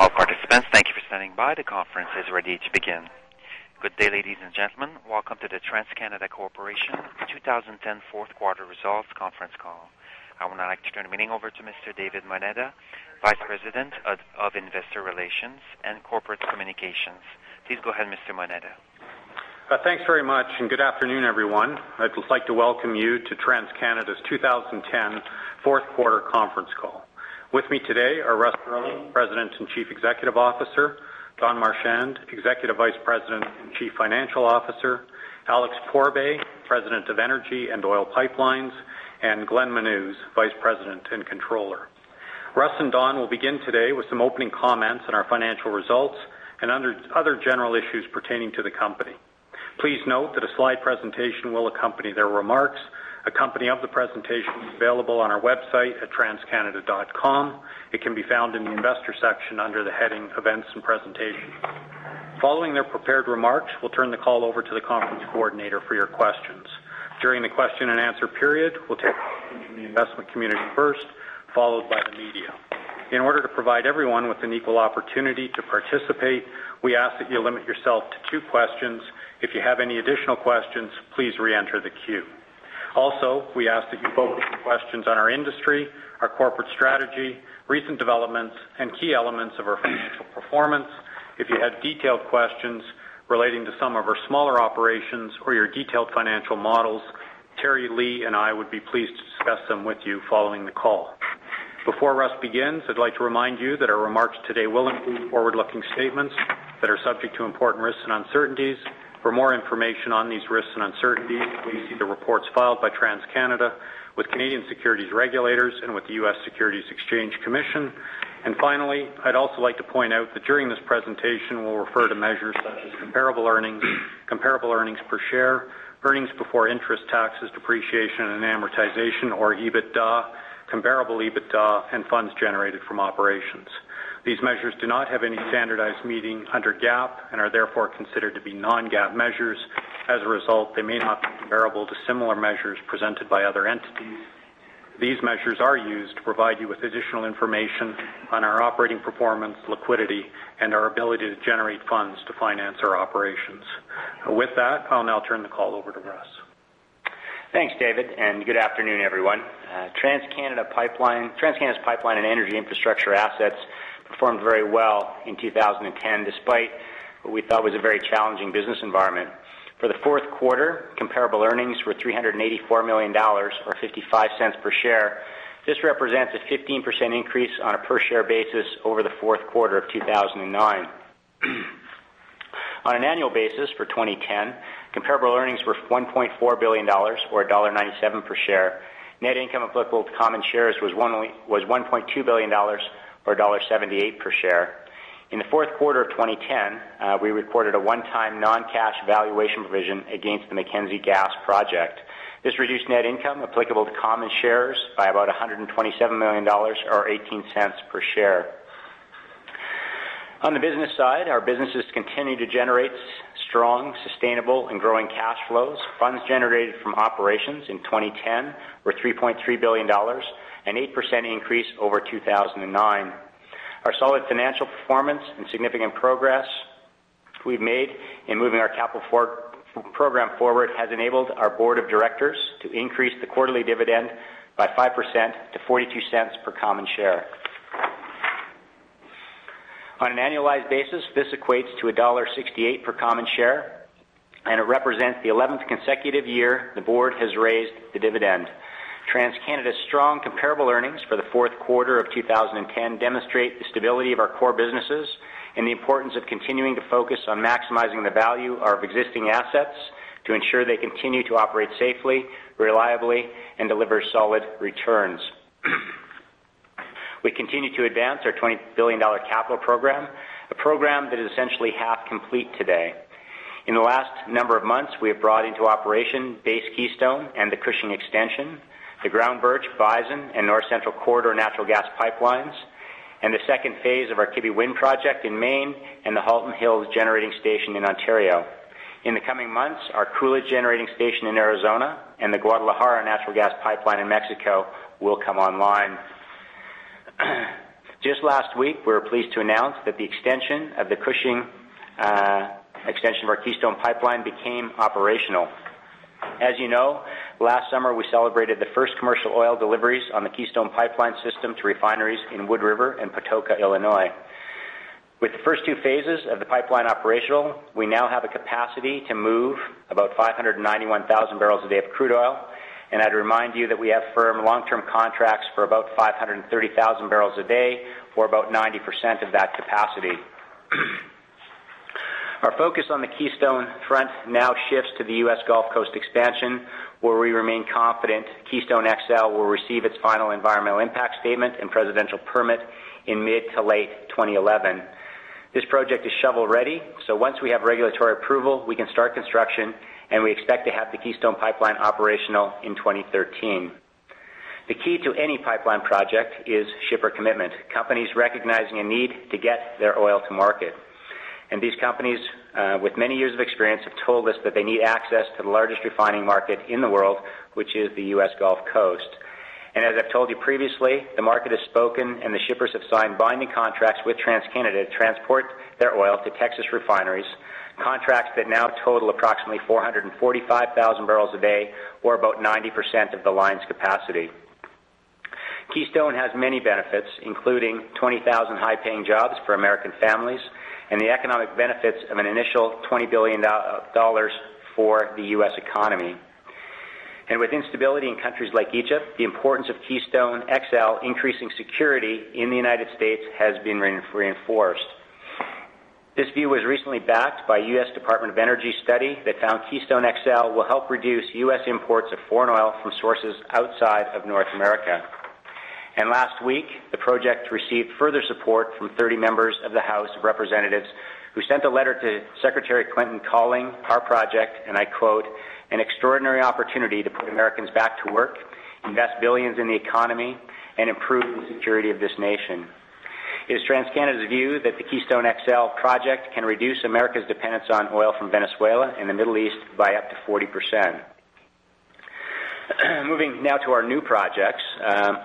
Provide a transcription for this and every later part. All participants, thank you for standing by. The conference is ready to begin. Good day, ladies and gentlemen. Welcome to the TransCanada Corporation 2010 fourth quarter results conference call. I would now like to turn the meeting over to Mr. David Moneta, Vice President of Investor Relations and Corporate Communications. Please go ahead, Mr. Moneta. Thanks very much, and good afternoon, everyone. I'd like to welcome you to TransCanada's 2010 fourth quarter conference call. With me today are Russ Girling, President and Chief Executive Officer, Don Marchand, Executive Vice President and Chief Financial Officer, Alex Pourbaix, President of Energy and Oil Pipelines, and Glenn Menuz, Vice President and Controller. Russ and Don will begin today with some opening comments on our financial results and other general issues pertaining to the company. Please note that a slide presentation will accompany their remarks. A copy of the presentation is available on our website at transcanada.com. It can be found in the investor section under the heading Events and Presentations. Following their prepared remarks, we'll turn the call over to the conference coordinator for your questions. During the question-and-answer period, we'll take questions from the investment community first, followed by the media. In order to provide everyone with an equal opportunity to participate, we ask that you limit yourself to two questions. If you have any additional questions, please re-enter the queue. Also, we ask that you focus your questions on our industry, our corporate strategy, recent developments, and key elements of our financial performance. If you have detailed questions relating to some of our smaller operations or your detailed financial models, Terry Lee and I would be pleased to discuss them with you following the call. Before Russ begins, I'd like to remind you that our remarks today will include forward-looking statements that are subject to important risks and uncertainties. For more information on these risks and uncertainties, please see the reports filed by TransCanada with Canadian securities regulators and with the U.S. Securities and Exchange Commission. Finally, I'd also like to point out that during this presentation, we'll refer to measures such as comparable earnings, comparable earnings per share, earnings before interest, taxes, depreciation, and amortization or EBITDA, comparable EBITDA, and funds generated from operations. These measures do not have any standardized meaning under GAAP and are therefore considered to be non-GAAP measures. As a result, they may not be comparable to similar measures presented by other entities. These measures are used to provide you with additional information on our operating performance, liquidity, and our ability to generate funds to finance our operations. With that, I'll now turn the call over to Russ. Thanks, David, and good afternoon, everyone. TransCanada's pipeline and energy infrastructure assets performed very well in 2010, despite what we thought was a very challenging business environment. For the fourth quarter, comparable earnings were 384 million dollars, or 0.55 per share. This represents a 15% increase on a per share basis over the fourth quarter of 2009. On an annual basis for 2010, comparable earnings were 1.4 billion dollars, or dollar 1.97 per share. Net income applicable to common shares was 1.2 billion dollars or dollar 1.78 per share. In the fourth quarter of 2010, we reported a one-time non-cash valuation provision against the Mackenzie Gas Project. This reduced net income applicable to common shares by about 127 million dollars or 18 cents per share. On the business side, our businesses continue to generate strong, sustainable, and growing cash flows. Funds generated from operations in 2010 were 3.3 billion dollars, an 8% increase over 2009. Our solid financial performance and significant progress we've made in moving our capital program forward has enabled our board of directors to increase the quarterly dividend by 5% to 0.42 per common share. On an annualized basis, this equates to dollar 1.68 per common share, and it represents the 11th consecutive year the board has raised the dividend. TransCanada's strong comparable earnings for the fourth quarter of 2010 demonstrate the stability of our core businesses and the importance of continuing to focus on maximizing the value of existing assets to ensure they continue to operate safely, reliably, and deliver solid returns. We continue to advance our 20 billion dollar capital program, a program that is essentially half complete today. In the last number of months, we have brought into operation Base Keystone and the Cushing Extension, the Groundbirch, Bison, and North Central Corridor natural gas pipelines, and the second phase of our Kibby Wind project in Maine and the Halton Hills Generating Station in Ontario. In the coming months, our Coolidge Generating Station in Arizona and the Guadalajara natural gas pipeline in Mexico will come online. Just last week, we were pleased to announce that the extension of our Keystone pipeline became operational. As you know, last summer, we celebrated the first commercial oil deliveries on the Keystone Pipeline system to refineries in Wood River and Patoka, Illinois. With the first two phases of the pipeline operational, we now have a capacity to move about 591,000 bbl a day of crude oil, and I'd remind you that we have firm long-term contracts for about 530,000 bbl a day, or about 90% of that capacity. Our focus on the Keystone front now shifts to the U.S. Gulf Coast expansion, where we remain confident Keystone XL will receive its final environmental impact statement and presidential permit in mid to late 2011. This project is shovel-ready, so once we have regulatory approval, we can start construction, and we expect to have the Keystone Pipeline operational in 2013. The key to any pipeline project is shipper commitment. Companies recognizing a need to get their oil to market. These companies, with many years of experience, have told us that they need access to the largest refining market in the world, which is the U.S. Gulf Coast. As I've told you previously, the market has spoken and the shippers have signed binding contracts with TransCanada to transport their oil to Texas refineries, contracts that now total approximately 445,000 bbl a day or about 90% of the line's capacity. Keystone has many benefits, including 20,000 high-paying jobs for American families and the economic benefits of an initial $20 billion for the U.S. economy. With instability in countries like Egypt, the importance of Keystone XL increasing security in the United States has been reinforced. This view was recently backed by a U.S. Department of Energy study that found Keystone XL will help reduce U.S. imports of foreign oil from sources outside of North America. Last week, the project received further support from 30 members of the House of Representatives, who sent a letter to Secretary Clinton calling our project, and I quote, "An extraordinary opportunity to put Americans back to work, invest billions in the economy, and improve the security of this nation." It is TransCanada's view that the Keystone XL project can reduce America's dependence on oil from Venezuela and the Middle East by up to 40%. Moving now to our new projects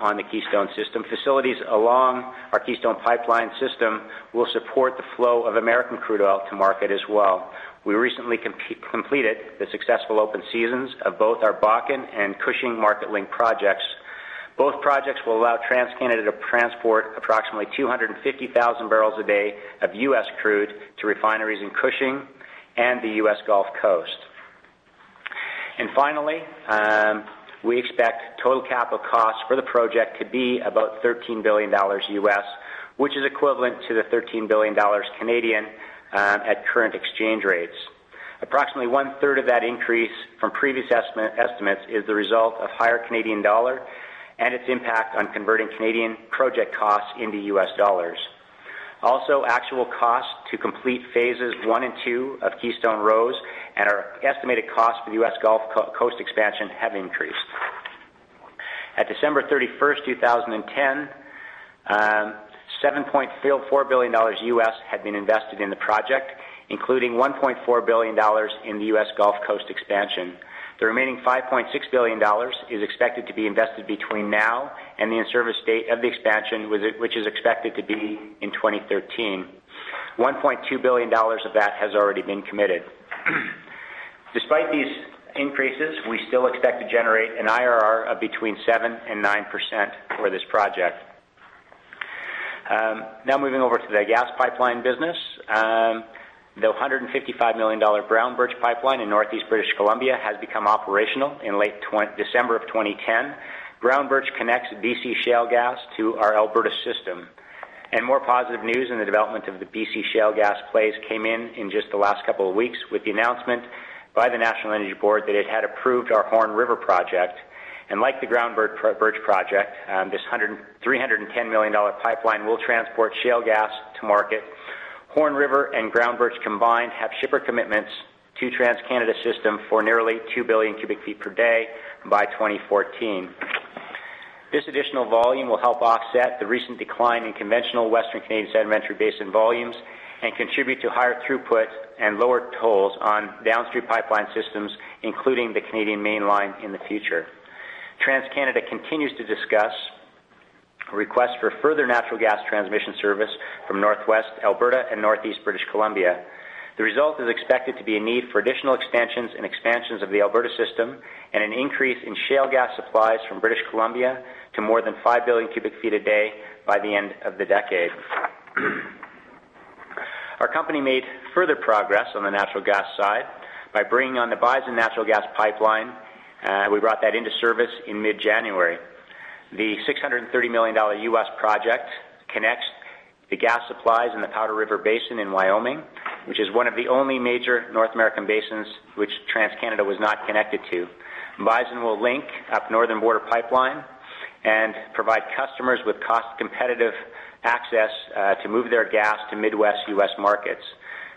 on the Keystone system. Facilities along our Keystone Pipeline system will support the flow of American crude oil to market as well. We recently completed the successful open seasons of both our Bakken and Cushing Marketlink projects. Both projects will allow TransCanada to transport approximately 250,000 bbl a day of U.S. crude to refineries in Cushing and the U.S. Gulf Coast. Finally, we expect total capital costs for the project to be about $13 billion, which is equivalent to 13 billion Canadian dollars at current exchange rates. Approximately 1/3 of that increase from previous estimates is the result of higher Canadian dollar and its impact on converting Canadian project costs into U.S. dollars. Also, actual costs to complete phases I and II of Keystone rose and our estimated costs for the U.S. Gulf Coast expansion have increased. At December 31st, 2010, $7.4 billion had been invested in the project, including $1.4 billion in the U.S. Gulf Coast expansion. The remaining $5.6 billion is expected to be invested between now and the in-service date of the expansion, which is expected to be in 2013. 1.2 billion dollars of that has already been committed. Despite these increases, we still expect to generate an IRR of 7%-9% for this project. Now moving over to the gas pipeline business. The 155 million dollar Groundbirch Pipeline in Northeast British Columbia has become operational in late December of 2010. Groundbirch connects BC shale gas to our Alberta System. More positive news in the development of the BC shale gas plays came in just the last couple of weeks with the announcement by the National Energy Board that it had approved our Horn River project. Like the Groundbirch project, this 310 million dollar pipeline will transport shale gas to market. Horn River and Groundbirch combined have shipper commitments to TransCanada system for nearly 2 billion cu ft per day by 2014. This additional volume will help offset the recent decline in conventional Western Canadian Sedimentary Basin volumes and contribute to higher throughput and lower tolls on downstream pipeline systems, including the Canadian Mainline in the future. TransCanada continues to discuss a request for further natural gas transmission service from northwest Alberta and northeast British Columbia. The result is expected to be a need for additional expansions of the Alberta System and an increase in shale gas supplies from British Columbia to more than 5 billion cu ft a day by the end of the decade. Our company made further progress on the natural gas side by bringing on the Bison Pipeline. We brought that into service in mid-January. The $630 million project connects the gas supplies in the Powder River Basin in Wyoming, which is one of the only major North American basins which TransCanada was not connected to. Bison will link up Northern Border Pipeline and provide customers with cost-competitive access to move their gas to Midwest U.S. markets.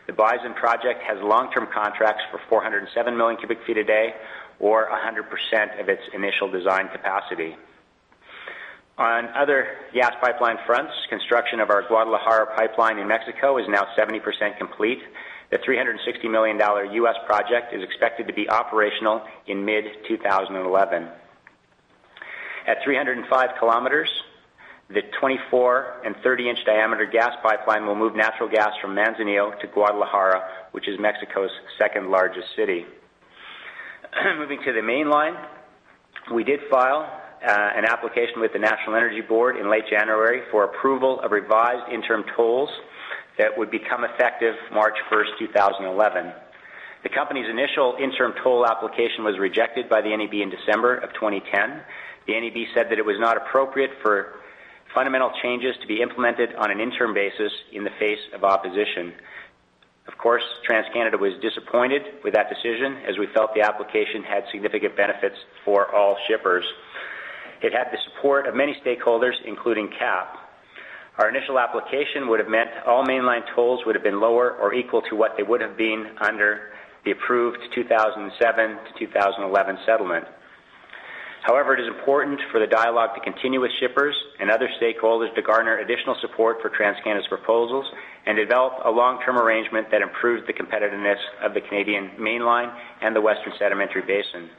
The Bison project has long-term contracts for 407 million cu ft a day or 100% of its initial design capacity. On other gas pipeline fronts, construction of our Guadalajara Pipeline in Mexico is now 70% complete. The $360 million project is expected to be operational in mid-2011. At 305 km, the 24- and 30-inch diameter gas pipeline will move natural gas from Manzanillo to Guadalajara, which is Mexico's second-largest city. Moving to the mainline, we did file an application with the National Energy Board in late January for approval of revised interim tolls that would become effective March 1st, 2011. The company's initial interim toll application was rejected by the NEB in December of 2010. The NEB said that it was not appropriate for fundamental changes to be implemented on an interim basis in the face of opposition. Of course, TransCanada was disappointed with that decision as we felt the application had significant benefits for all shippers. It had the support of many stakeholders, including CAPP. Our initial application would've meant all mainline tolls would've been lower or equal to what they would've been under the approved 2007-2011 settlement. However, it is important for the dialogue to continue with shippers and other stakeholders to garner additional support for TransCanada's proposals and develop a long-term arrangement that improves the competitiveness of the Canadian Mainline and the Western Sedimentary Basin.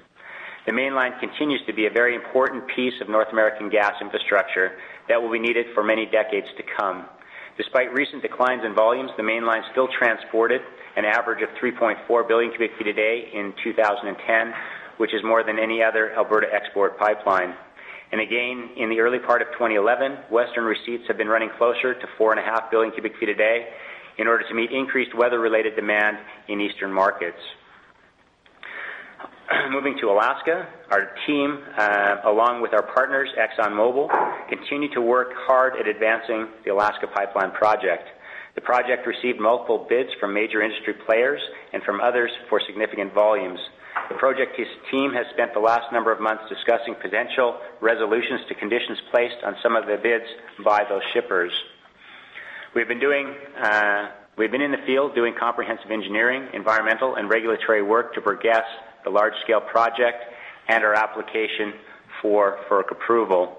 The Mainline continues to be a very important piece of North American gas infrastructure that will be needed for many decades to come. Despite recent declines in volumes, the Mainline still transported an average of 3.4 billion cu ft a day in 2010, which is more than any other Alberta export pipeline. Again, in the early part of 2011, western receipts have been running closer to 4.5 billion cu ft a day in order to meet increased weather-related demand in eastern markets. Moving to Alaska, our team, along with our partners, ExxonMobil, continue to work hard at advancing the Alaska Pipeline Project. The project received multiple bids from major industry players and from others for significant volumes. The project team has spent the last number of months discussing potential resolutions to conditions placed on some of the bids by those shippers. We've been in the field doing comprehensive engineering, environmental, and regulatory work to progress the large-scale project and our application for FERC approval.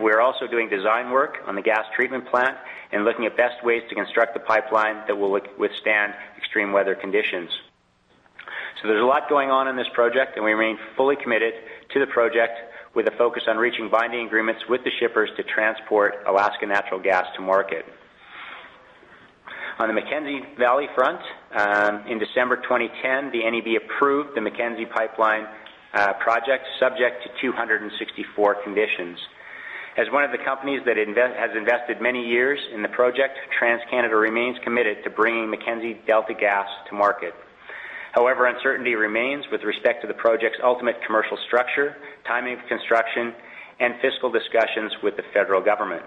We're also doing design work on the gas treatment plant and looking at best ways to construct the pipeline that will withstand extreme weather conditions. There's a lot going on in this project, and we remain fully committed to the project with a focus on reaching binding agreements with the shippers to transport Alaska natural gas to market. On the Mackenzie Valley front, in December 2010, the NEB approved the Mackenzie Gas Project, subject to 264 conditions. As one of the companies that has invested many years in the project, TransCanada remains committed to bringing Mackenzie Delta gas to market. However, uncertainty remains with respect to the project's ultimate commercial structure, timing of construction, and fiscal discussions with the federal government.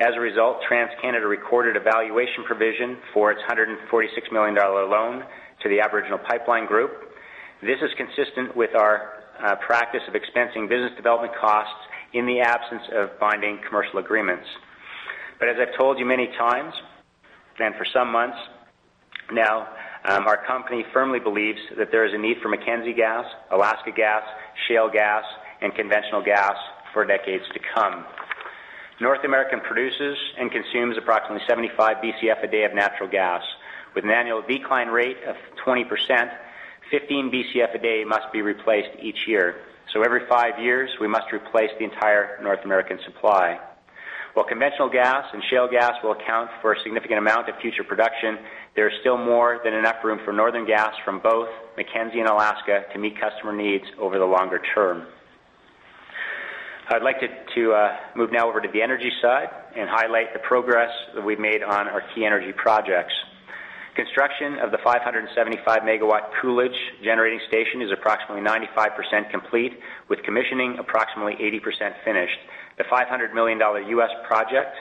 As a result, TransCanada recorded a valuation provision for its 146 million dollar loan to the Aboriginal Pipeline Group. This is consistent with our practice of expensing business development costs in the absence of binding commercial agreements. As I've told you many times and for some months now, our company firmly believes that there is a need for Mackenzie gas, Alaska gas, shale gas, and conventional gas for decades to come. North America produces and consumes approximately 75 Bcf a day of natural gas. With an annual decline rate of 20%, 15 Bcf a day must be replaced each year. Every five years, we must replace the entire North American supply. While conventional gas and shale gas will account for a significant amount of future production, there is still more than enough room for northern gas from both Mackenzie and Alaska to meet customer needs over the longer term. I'd like to move now over to the energy side and highlight the progress that we've made on our key energy projects. Construction of the 575-MW Coolidge Generating Station is approximately 95% complete, with commissioning approximately 80% finished. The $500 million project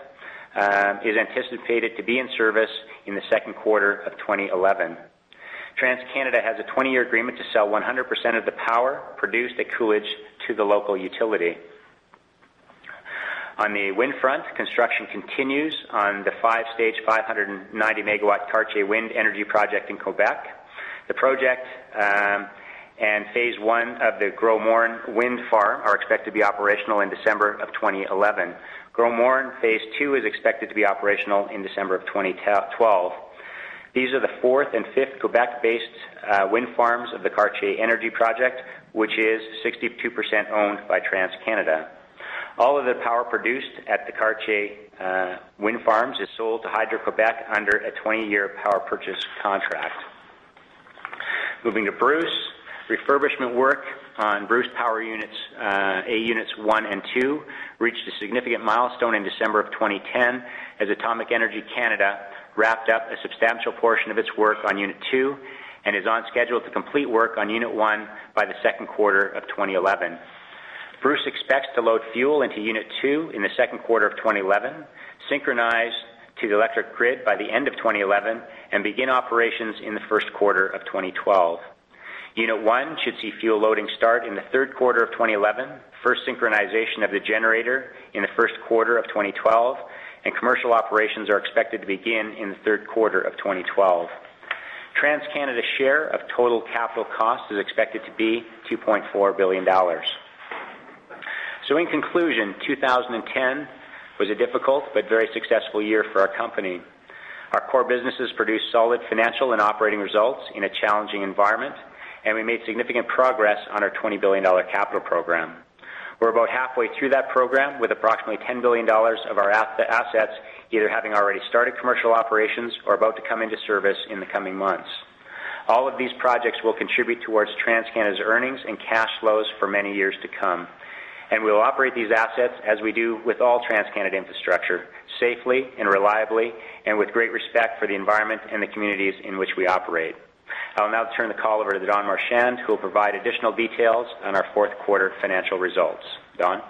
is anticipated to be in service in the second quarter of 2011. TransCanada has a 20-year agreement to sell 100% of the power produced at Coolidge to the local utility. On the wind front, construction continues on the five-stage 190-MW Cartier Wind Energy project in Quebec. The project and phase I of the Gros-Morne Wind Farm are expected to be operational in December of 2011. Gros-Morne phase II is expected to be operational in December of 2012. These are the fourth and fifth Quebec-based wind farms of the Cartier Wind Energy project, which is 62% owned by TransCanada. All of the power produced at the Cartier wind farms is sold to Hydro-Québec under a 20-year power purchase contract. Moving to Bruce, refurbishment work on Bruce Power Units A, units 1 and 2, reached a significant milestone in December of 2010 as Atomic Energy Canada wrapped up a substantial portion of its work on unit two and is on schedule to complete work on unit one by the second quarter of 2011. Bruce Power expects to load fuel into unit two in the second quarter of 2011, synchronize to the electric grid by the end of 2011, and begin operations in the first quarter of 2012. Unit one should see fuel loading start in the third quarter of 2011, first synchronization of the generator in the first quarter of 2012, and commercial operations are expected to begin in the third quarter of 2012. TransCanada's share of total capital costs is expected to be 2.4 billion dollars. In conclusion, 2010 was a difficult but very successful year for our company. Our core businesses produced solid financial and operating results in a challenging environment, and we made significant progress on our 20 billion dollar capital program. We're about halfway through that program with approximately 10 billion dollars of our assets either having already started commercial operations or about to come into service in the coming months. All of these projects will contribute towards TransCanada's earnings and cash flows for many years to come. We'll operate these assets as we do with all TransCanada infrastructure, safely and reliably and with great respect for the environment and the communities in which we operate. I will now turn the call over to Don Marchand, who will provide additional details on our fourth quarter financial results. Don?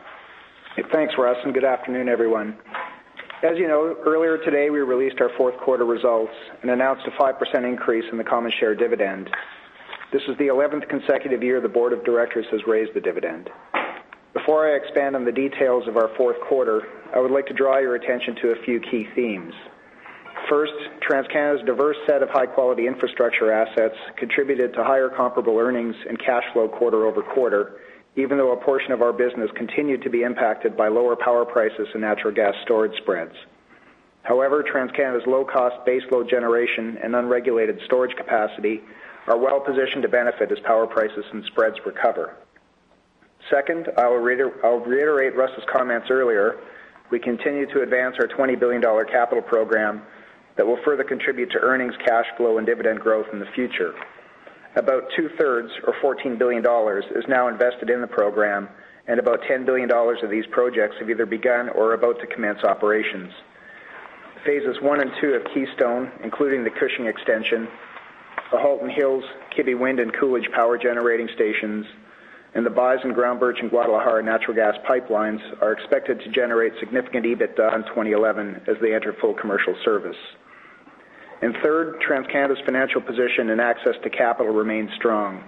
Thanks, Russ, and good afternoon, everyone. As you know, earlier today, we released our fourth quarter results and announced a 5% increase in the common share dividend. This is the 11th consecutive year the board of directors has raised the dividend. Before I expand on the details of our fourth quarter, I would like to draw your attention to a few key themes. First, TC Energy's diverse set of high-quality infrastructure assets contributed to higher comparable earnings and cash flow quarter-over-quarter, even though a portion of our business continued to be impacted by lower power prices and natural gas storage spreads. However, TC Energy's low-cost base load generation and unregulated storage capacity are well-positioned to benefit as power prices and spreads recover. Second, I'll reiterate Russ's comments earlier. We continue to advance our $20 billion capital program that will further contribute to earnings, cash flow, and dividend growth in the future. About 2/3 or 14 billion dollars is now invested in the program, and about 10 billion dollars of these projects have either begun or are about to commence operations. Phases I and II of Keystone, including the Cushing extension, the Halton Hills, Kibby Wind, and Coolidge Power generating stations, and the Bison, Groundbirch, and Guadalajara natural gas pipelines, are expected to generate significant EBITDA in 2011 as they enter full commercial service. Third, TransCanada's financial position and access to capital remain strong.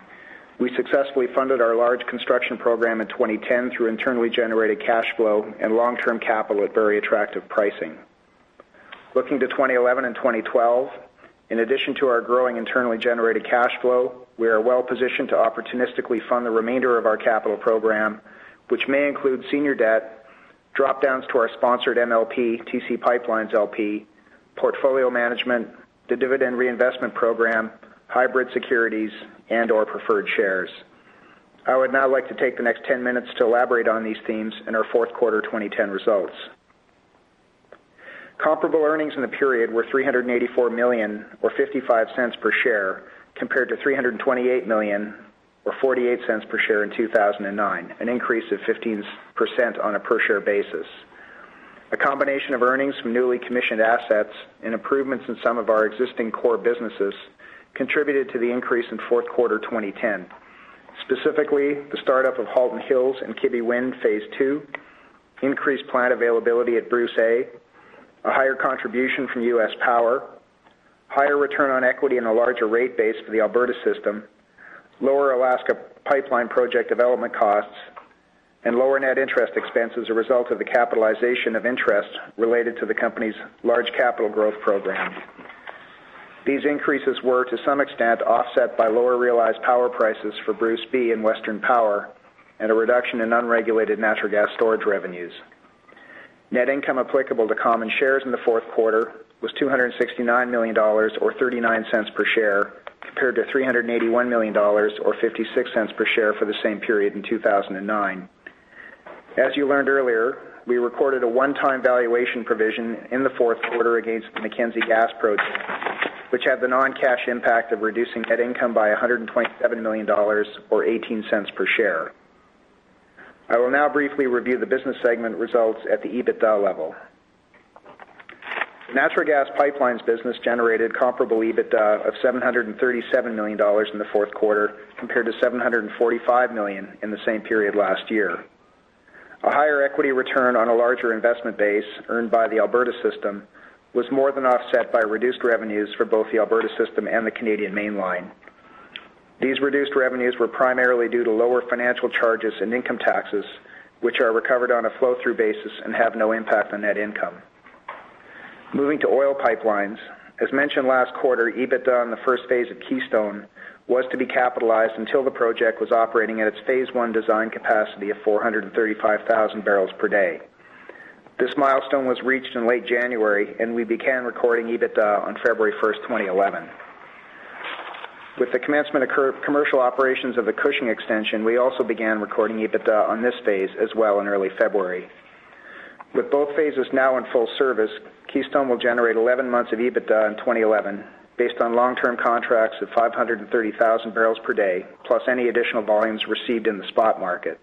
We successfully funded our large construction program in 2010 through internally generated cash flow and long-term capital at very attractive pricing. Looking to 2011 and 2012, in addition to our growing internally generated cash flow, we are well-positioned to opportunistically fund the remainder of our capital program, which may include senior debt, drop-downs to our sponsored MLP, TC PipeLines, LP, portfolio management, the dividend reinvestment program, hybrid securities, and/or preferred shares. I would now like to take the next 10 minutes to elaborate on these themes in our fourth quarter 2010 results. Comparable earnings in the period were 384 million or 0.55 per share, compared to 328 million or 0.48 per share in 2009, an increase of 15% on a per-share basis. A combination of earnings from newly commissioned assets and improvements in some of our existing core businesses contributed to the increase in fourth quarter 2010. Specifically, the startup of Halton Hills and Kibby Wind phase II, increased plant availability at Bruce A, a higher contribution from U.S. Power, higher return on equity, and a larger rate base for the Alberta System, lower Alaska Pipeline Project development costs, and lower net interest expense as a result of the capitalization of interest related to the company's large capital growth program. These increases were, to some extent, offset by lower realized power prices for Bruce B and Western Power and a reduction in unregulated natural gas storage revenues. Net income applicable to common shares in the fourth quarter was 269 million dollars or 0.39 per share, compared to 381 million dollars or 0.56 per share for the same period in 2009. As you learned earlier, we recorded a one-time valuation provision in the fourth quarter against the Mackenzie Gas Project, which had the non-cash impact of reducing net income by 127 million dollars or 0.18 per share. I will now briefly review the business segment results at the EBITDA level. Natural Gas Pipelines business generated comparable EBITDA of 737 million dollars in the fourth quarter, compared to 745 million in the same period last year. A higher equity return on a larger investment base earned by the Alberta System was more than offset by reduced revenues for both the Alberta System and the Canadian Mainline. These reduced revenues were primarily due to lower financial charges and income taxes, which are recovered on a flow-through basis and have no impact on net income. Moving to Oil Pipelines. As mentioned last quarter, EBITDA on the first phase of Keystone was to be capitalized until the project was operating at its phase I design capacity of 435,000 bbl per day. This milestone was reached in late January, and we began recording EBITDA on February 1st, 2011. With the commencement of commercial operations of the Cushing extension, we also began recording EBITDA on this phase as well in early February. With both phases now in full service, Keystone will generate 11 months of EBITDA in 2011, based on long-term contracts of 530,000 bbl per day, plus any additional volumes received in the spot market.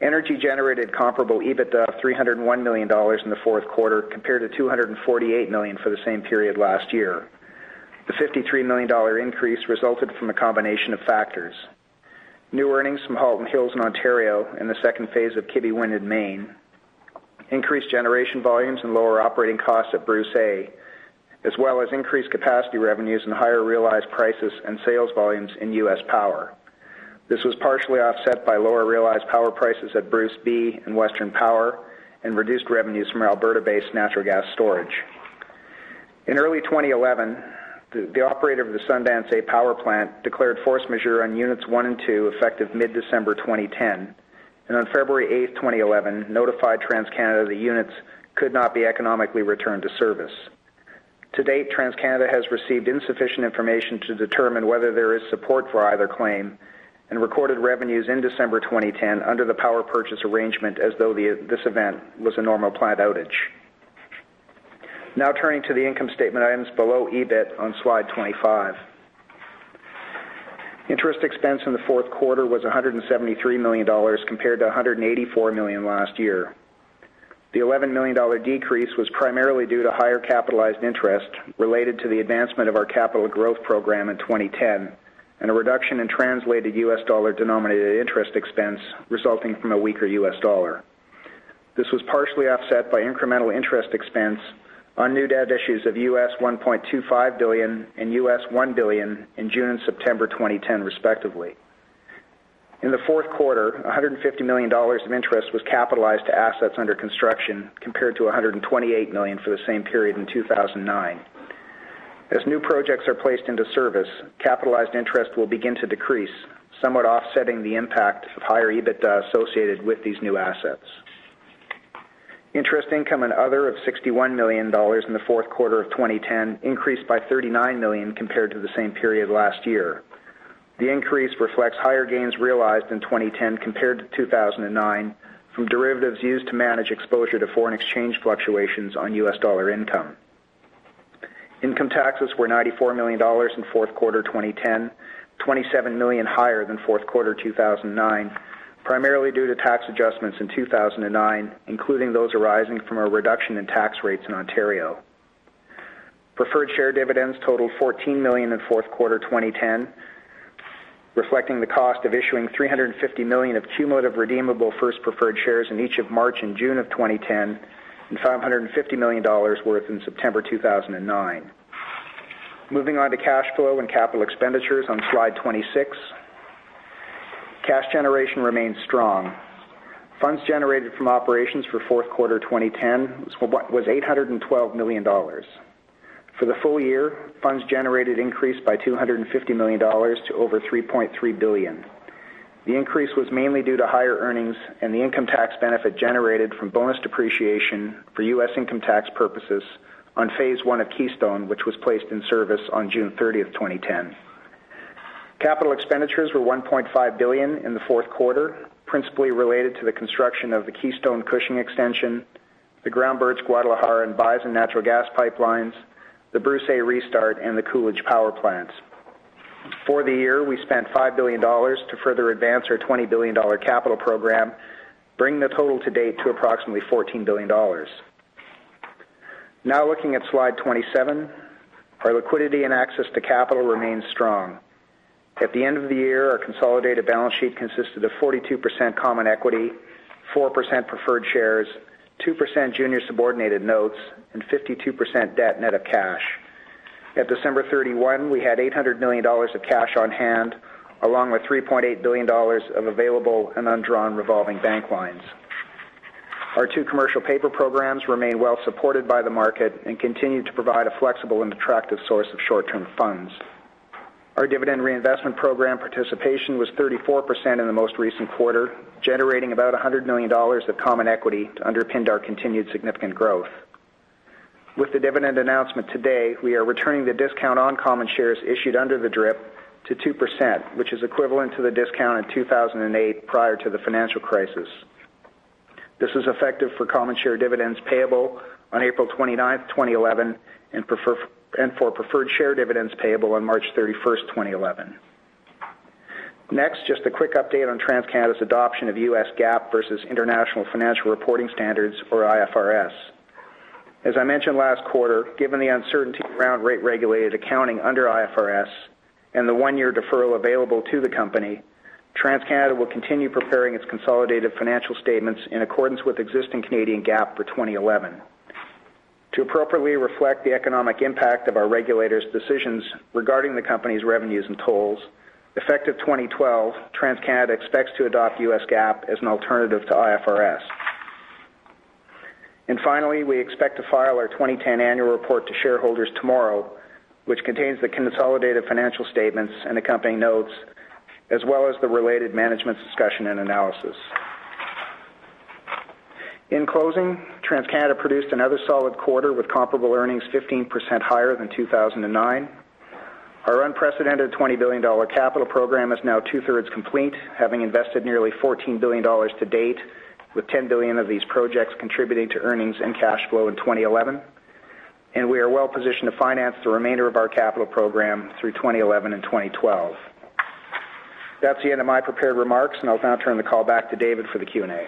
Energy generated comparable EBITDA of $301 million in the fourth quarter, compared to $248 million for the same period last year. The $53 million increase resulted from a combination of factors. New earnings from Halton Hills in Ontario and the second phase of Kibby Wind in Maine, increased generation volumes and lower operating costs at Bruce A, as well as increased capacity revenues and higher realized prices and sales volumes in U.S. Power. This was partially offset by lower realized power prices at Bruce B and Western Power and reduced revenues from our Alberta-based natural gas storage. In early 2011, the operator of the Sundance A power plant declared force majeure on units one and two effective mid-December 2010, and on February 8th, 2011, notified TransCanada the units could not be economically returned to service. To date, TransCanada has received insufficient information to determine whether there is support for either claim and recorded revenues in December 2010 under the power purchase arrangement as though this event was a normal plant outage. Now turning to the income statement items below EBIT on slide 25. Interest expense in the fourth quarter was 173 million dollars, compared to 184 million last year. The 11 million dollar decrease was primarily due to higher capitalized interest related to the advancement of our capital growth program in 2010 and a reduction in translated US dollar-denominated interest expense resulting from a weaker US dollar. This was partially offset by incremental interest expense on new debt issues of $1.25 billion and $1 billion in June and September 2010, respectively. In the fourth quarter, 150 million dollars of interest was capitalized to assets under construction, compared to 128 million for the same period in 2009. As new projects are placed into service, capitalized interest will begin to decrease, somewhat offsetting the impact of higher EBITDA associated with these new assets. Interest income and other of 61 million dollars in the fourth quarter of 2010 increased by 39 million compared to the same period last year. The increase reflects higher gains realized in 2010 compared to 2009 from derivatives used to manage exposure to foreign exchange fluctuations on U.S. dollar income. Income taxes were 94 million dollars in fourth quarter 2010, 27 million higher than fourth quarter 2009, primarily due to tax adjustments in 2009, including those arising from a reduction in tax rates in Ontario. Preferred share dividends totaled 14 million in fourth quarter 2010, reflecting the cost of issuing 350 million of cumulative redeemable first preferred shares in each of March and June of 2010, and 550 million dollars worth in September 2009. Moving on to cash flow and capital expenditures on slide 26. Cash generation remains strong. Funds generated from operations for fourth quarter 2010 was 812 million dollars. For the full year, funds generated increased by 250 million dollars to over 3.3 billion. The increase was mainly due to higher earnings and the income tax benefit generated from bonus depreciation for U.S. income tax purposes on phase I of Keystone, which was placed in service on June 30th, 2010. Capital expenditures were 1.5 billion in the fourth quarter, principally related to the construction of the Keystone-Cushing Extension, the Groundbirch, Guadalajara and Bison natural gas pipelines, the Bruce restart, and the Coolidge power plants. For the year, we spent 5 billion dollars to further advance our 20 billion dollar capital program, bringing the total to date to approximately 14 billion dollars. Now, looking at slide 27. Our liquidity and access to capital remains strong. At the end of the year, our consolidated balance sheet consisted of 42% common equity, 4% preferred shares, 2% junior subordinated notes, and 52% debt net of cash. At December 31, we had 800 million dollars of cash on hand, along with 3.8 billion dollars of available and undrawn revolving bank lines. Our two commercial paper programs remain well supported by the market and continue to provide a flexible and attractive source of short-term funds. Our dividend reinvestment program participation was 34% in the most recent quarter, generating about 100 million dollars of common equity to underpin our continued significant growth. With the dividend announcement today, we are returning the discount on common shares issued under the DRIP to 2%, which is equivalent to the discount in 2008 prior to the financial crisis. This is effective for common share dividends payable on April 29th, 2011 and for preferred share dividends payable on March 31st, 2011. Next, just a quick update on TransCanada's adoption of U.S. GAAP versus International Financial Reporting Standards, or IFRS. As I mentioned last quarter, given the uncertainty around rate-regulated accounting under IFRS and the one-year deferral available to the company, TransCanada will continue preparing its consolidated financial statements in accordance with existing Canadian GAAP for 2011. To appropriately reflect the economic impact of our regulators' decisions regarding the company's revenues and tolls, effective 2012, TransCanada expects to adopt U.S. GAAP as an alternative to IFRS. Finally, we expect to file our 2010 annual report to shareholders tomorrow, which contains the consolidated financial statements and accompanying notes, as well as the related management discussion and analysis. In closing, TransCanada produced another solid quarter with comparable earnings 15% higher than 2009. Our unprecedented 20 billion dollar capital program is now 2/3 complete, having invested nearly 14 billion dollars to date, with 10 billion of these projects contributing to earnings and cash flow in 2011. We are well-positioned to finance the remainder of our capital program through 2011 and 2012. That's the end of my prepared remarks, and I'll now turn the call back to David for the Q&A.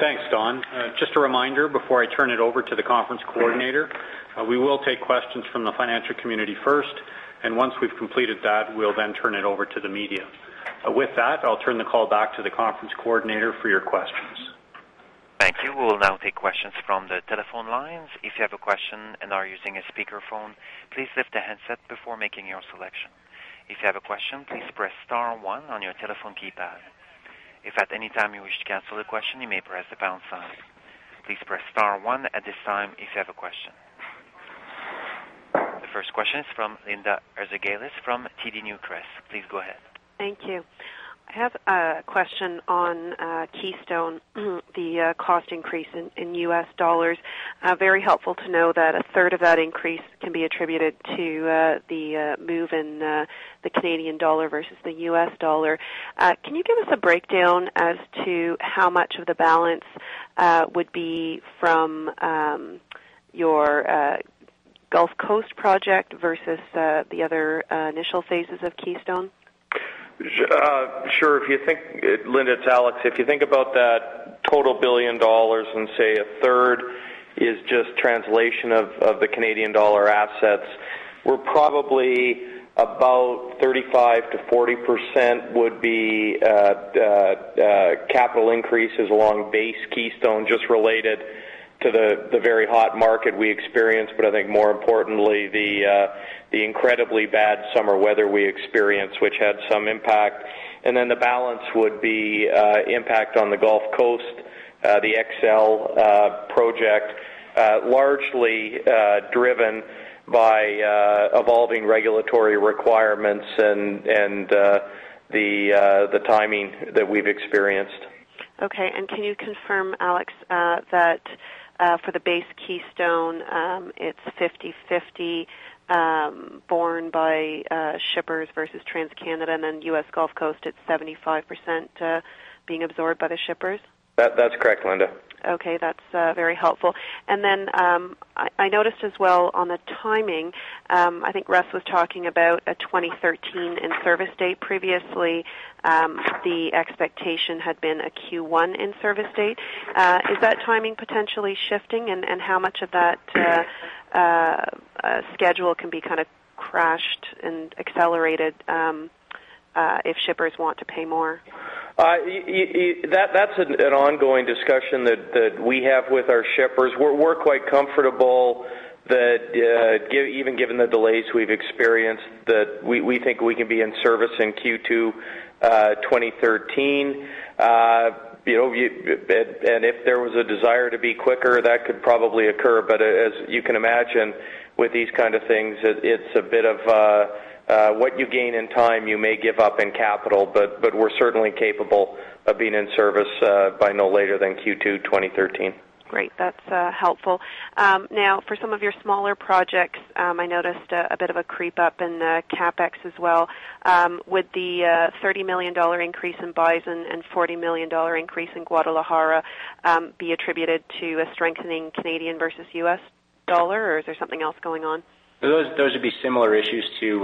Thanks, Don. Just a reminder before I turn it over to the conference coordinator. We will take questions from the financial community first, and once we've completed that, we'll then turn it over to the media. With that, I'll turn the call back to the conference coordinator for your questions. Thank you. We'll now take questions from the telephone lines. If you have a question and are using a speakerphone, please lift the handset before making your selection. If you have a question, please press star one on your telephone keypad. If at any time you wish to cancel the question, you may press the pound sign. Please press star one at this time if you have a question. The first question is from Linda Ezergailis from TD Newcrest. Please go ahead. Thank you. I have a question on Keystone, the cost increase in U.S. dollars. Very helpful to know that 1/3 of that increase can be attributed to the move in the Canadian dollar versus the U.S. dollar. Can you give us a breakdown as to how much of the balance would be from your Gulf Coast project versus the other initial phases of Keystone? Sure. Linda, it's Alex. If you think about that 1 billion dollars and say 1/3 is just translation of the Canadian dollar assets, we're probably about 35%-40% would be The capital increases along base Keystone just related to the very hot market we experienced, but I think more importantly, the incredibly bad summer weather we experienced, which had some impact. The balance would be the impact on the Gulf Coast, the XL project, largely driven by evolving regulatory requirements and the timing that we've experienced. Okay. Can you confirm, Alex, that for the Base Keystone, it's 50/50 borne by shippers versus TransCanada, and then U.S. Gulf Coast, it's 75% being absorbed by the shippers? That's correct, Linda. Okay. That's very helpful. I noticed as well on the timing. I think Russ was talking about a 2013 in-service date. Previously, the expectation had been a Q1 in-service date. Is that timing potentially shifting? How much of that schedule can be crashed and accelerated if shippers want to pay more? That's an ongoing discussion that we have with our shippers. We're quite comfortable that even given the delays we've experienced, we think we can be in service in Q2 2013. If there was a desire to be quicker, that could probably occur, but as you can imagine, with these kind of things, it's a bit of what you gain in time, you may give up in capital. We're certainly capable of being in service by no later than Q2 2013. Great. That's helpful. Now, for some of your smaller projects, I noticed a bit of a creep up in the CapEx as well. Would the 30 million dollar increase in Bison and 40 million dollar increase in Guadalajara be attributed to a strengthening Canadian versus US dollar, or is there something else going on? Those would be similar issues to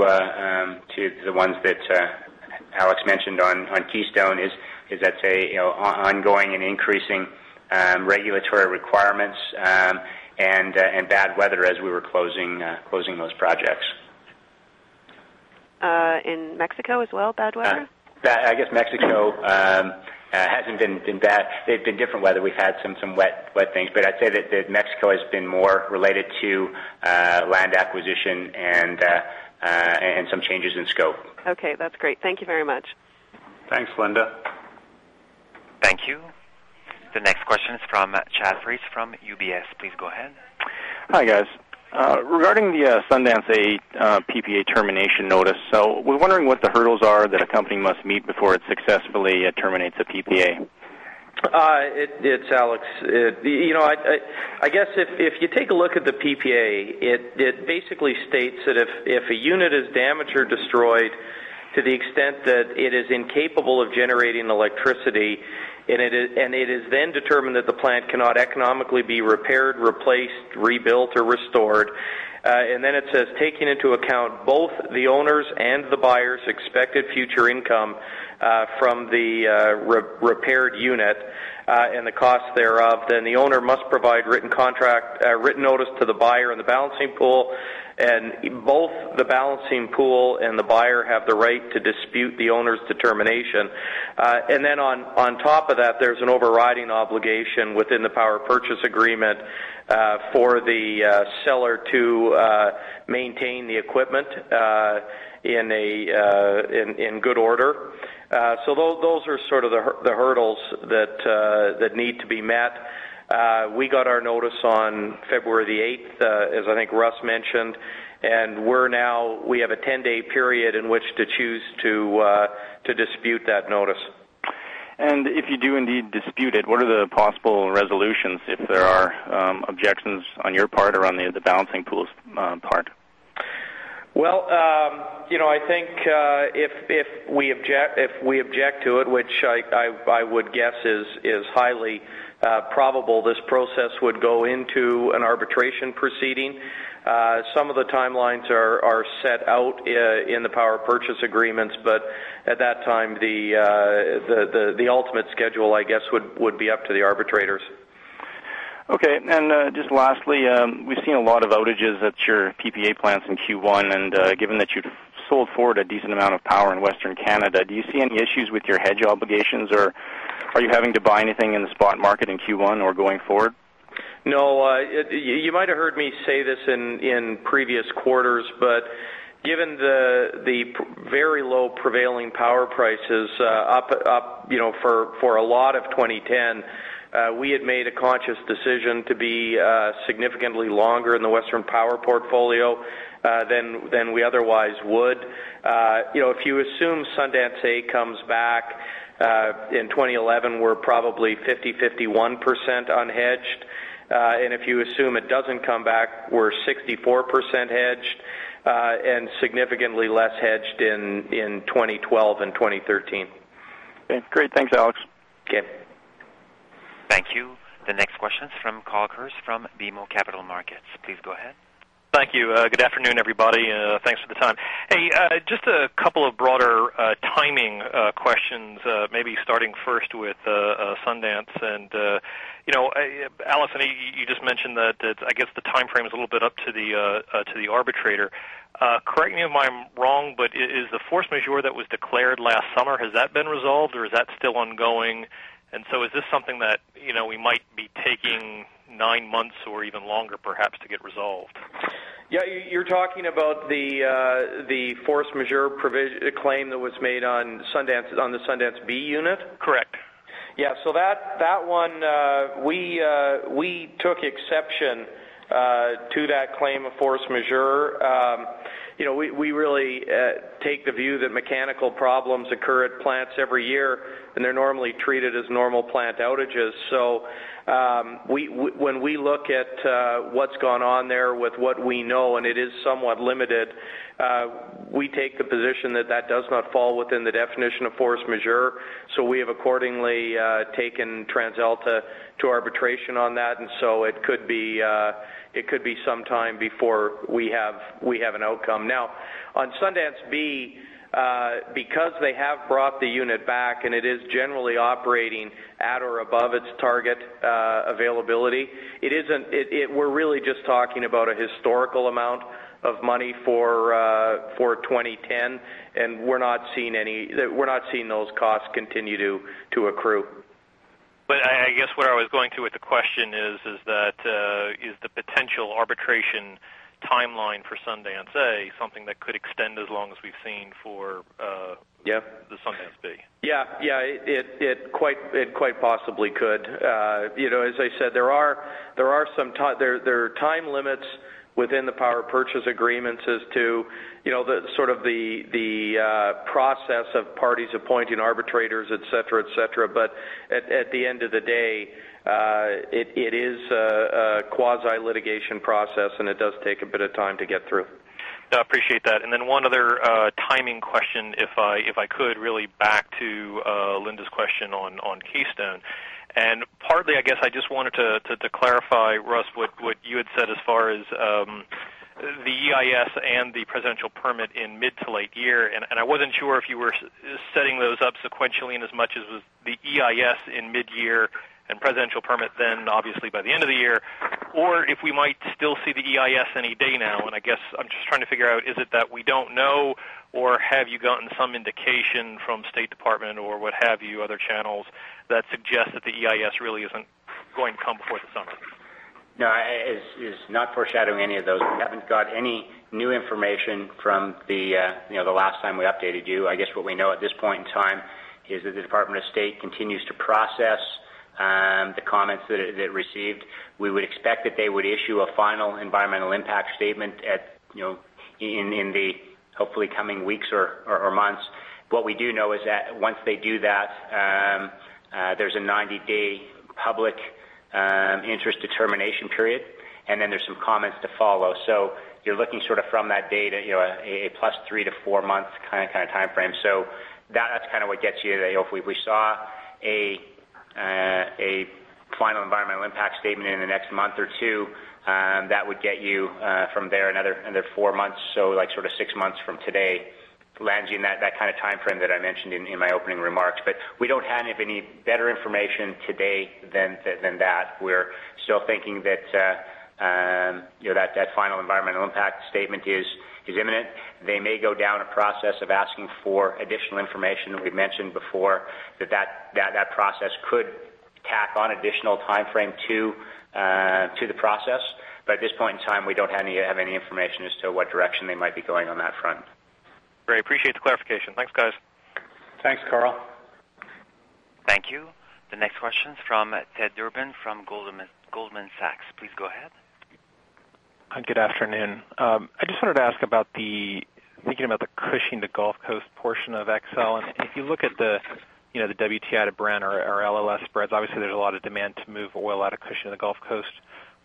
the ones that Alex mentioned on Keystone, i.e., I'd say, ongoing and increasing regulatory requirements and bad weather as we were closing those projects. In Mexico as well, bad weather? I guess Mexico hasn't been bad. They've had different weather. We've had some wet things, but I'd say that Mexico has been more related to land acquisition and some changes in scope. Okay. That's great. Thank you very much. Thanks, Linda. Thank you. The next question is from Chad Friess from UBS. Please go ahead. Hi, guys. Regarding the Sundance A PPA termination notice, we're wondering what the hurdles are that a company must meet before it successfully terminates a PPA. It's Alex. I guess if you take a look at the PPA, it basically states that if a unit is damaged or destroyed to the extent that it is incapable of generating electricity, and it is then determined that the plant cannot economically be repaired, replaced, rebuilt, or restored. It says, taking into account both the owner's and the buyer's expected future income from the repaired unit and the cost thereof, then the owner must provide written notice to the buyer and the Balancing Pool, and both the Balancing Pool and the buyer have the right to dispute the owner's determination. On top of that, there's an overriding obligation within the Power Purchase Agreement for the seller to maintain the equipment in good order. Those are sort of the hurdles that need to be met. We got our notice on February the 8th, as I think Russ mentioned, and we have a 10-day period in which to choose to dispute that notice. If you do indeed dispute it, what are the possible resolutions if there are objections on your part or on the balancing pool's part? Well, I think if we object to it, which I would guess is highly probable, this process would go into an arbitration proceeding. Some of the timelines are set out in the power purchase agreements, but at that time, the ultimate schedule, I guess, would be up to the arbitrators. Okay. Just lastly, we've seen a lot of outages at your PPA plants in Q1, and given that you'd sold forward a decent amount of power in Western Canada, do you see any issues with your hedge obligations, or are you having to buy anything in the spot market in Q1 or going forward? No. You might have heard me say this in previous quarters, but given the very low prevailing power prices for a lot of 2010, we had made a conscious decision to be significantly longer in the Western power portfolio than we otherwise would. If you assume Sundance A comes back in 2011, we're probably 50%-51% unhedged. If you assume it doesn't come back, we're 64% hedged and significantly less hedged in 2012 and 2013. Okay, great. Thanks, Alex. Okay. Thank you. The next question is from Carl Kirst from BMO Capital Markets. Please go ahead. Thank you. Good afternoon, everybody. Thanks for the time. Hey, just a couple of broader timing questions, maybe starting first with Sundance. Alex, you just mentioned that, I guess the timeframe is a little bit up to the arbitrator. Correct me if I'm wrong, but is the force majeure that was declared last summer, has that been resolved or is that still ongoing? Is this something that we might be taking nine months or even longer, perhaps, to get resolved? Yeah, you're talking about the force majeure claim that was made on the Sundance B unit? Correct. Yeah. That one, we took exception to that claim of force majeure. We really take the view that mechanical problems occur at plants every year, and they're normally treated as normal plant outages. When we look at what's gone on there with what we know, and it is somewhat limited, we take the position that that does not fall within the definition of force majeure. We have accordingly taken TransAlta to arbitration on that, and it could be some time before we have an outcome. Now, on Sundance B, because they have brought the unit back and it is generally operating at or above its target availability, we're really just talking about a historical amount of money for 2010. We're not seeing those costs continue to accrue. I guess where I was going to with the question is that, is the potential arbitration timeline for Sundance A something that could extend as long as we've seen for- Yeah the Sundance B? Yeah. It quite possibly could. As I said, there are time limits within the power purchase agreements as to the process of parties appointing arbitrators, et cetera. But at the end of the day, it is a quasi-litigation process and it does take a bit of time to get through. No, I appreciate that. One other timing question, if I could, really back to Linda's question on Keystone. Partly, I guess I just wanted to clarify, Russ, what you had said as far as the EIS and the presidential permit in mid- to late-year, and I wasn't sure if you were setting those up sequentially in as much as the EIS in mid-year and presidential permit then obviously by the end of the year, or if we might still see the EIS any day now. I guess I'm just trying to figure out, is it that we don't know, or have you gotten some indication from State Department or what have you, other channels, that suggest that the EIS really isn't going to come before the summer? No. It's not foreshadowing any of those. We haven't got any new information from the last time we updated you. I guess what we know at this point in time is that the Department of State continues to process the comments that it received. We would expect that they would issue a final environmental impact statement in the, hopefully, coming weeks or months. What we do know is that once they do that, there's a 90-day public interest determination period, and then there's some comments to follow. You're looking from that date, a plus three to four months kind of timeframe. That's what gets you. If we saw a final environmental impact statement in the next month or two, that would get you from there another 4 months. Six months from today, lands you in that kind of timeframe that I mentioned in my opening remarks. We don't have any better information today than that. We're still thinking that final environmental impact statement is imminent. They may go down a process of asking for additional information, and we've mentioned before that process could tack on additional timeframe to the process. At this point in time, we don't have any information as to what direction they might be going on that front. Great. Appreciate the clarification. Thanks, guys. Thanks, Carl. Thank you. The next question's from Ted Durbin from Goldman Sachs. Please go ahead. Good afternoon. I just wanted to ask about the, thinking about the Cushing to Gulf Coast portion of XL, and if you look at the WTI to Brent or LLS spreads, obviously there's a lot of demand to move oil out of Cushing to the Gulf Coast.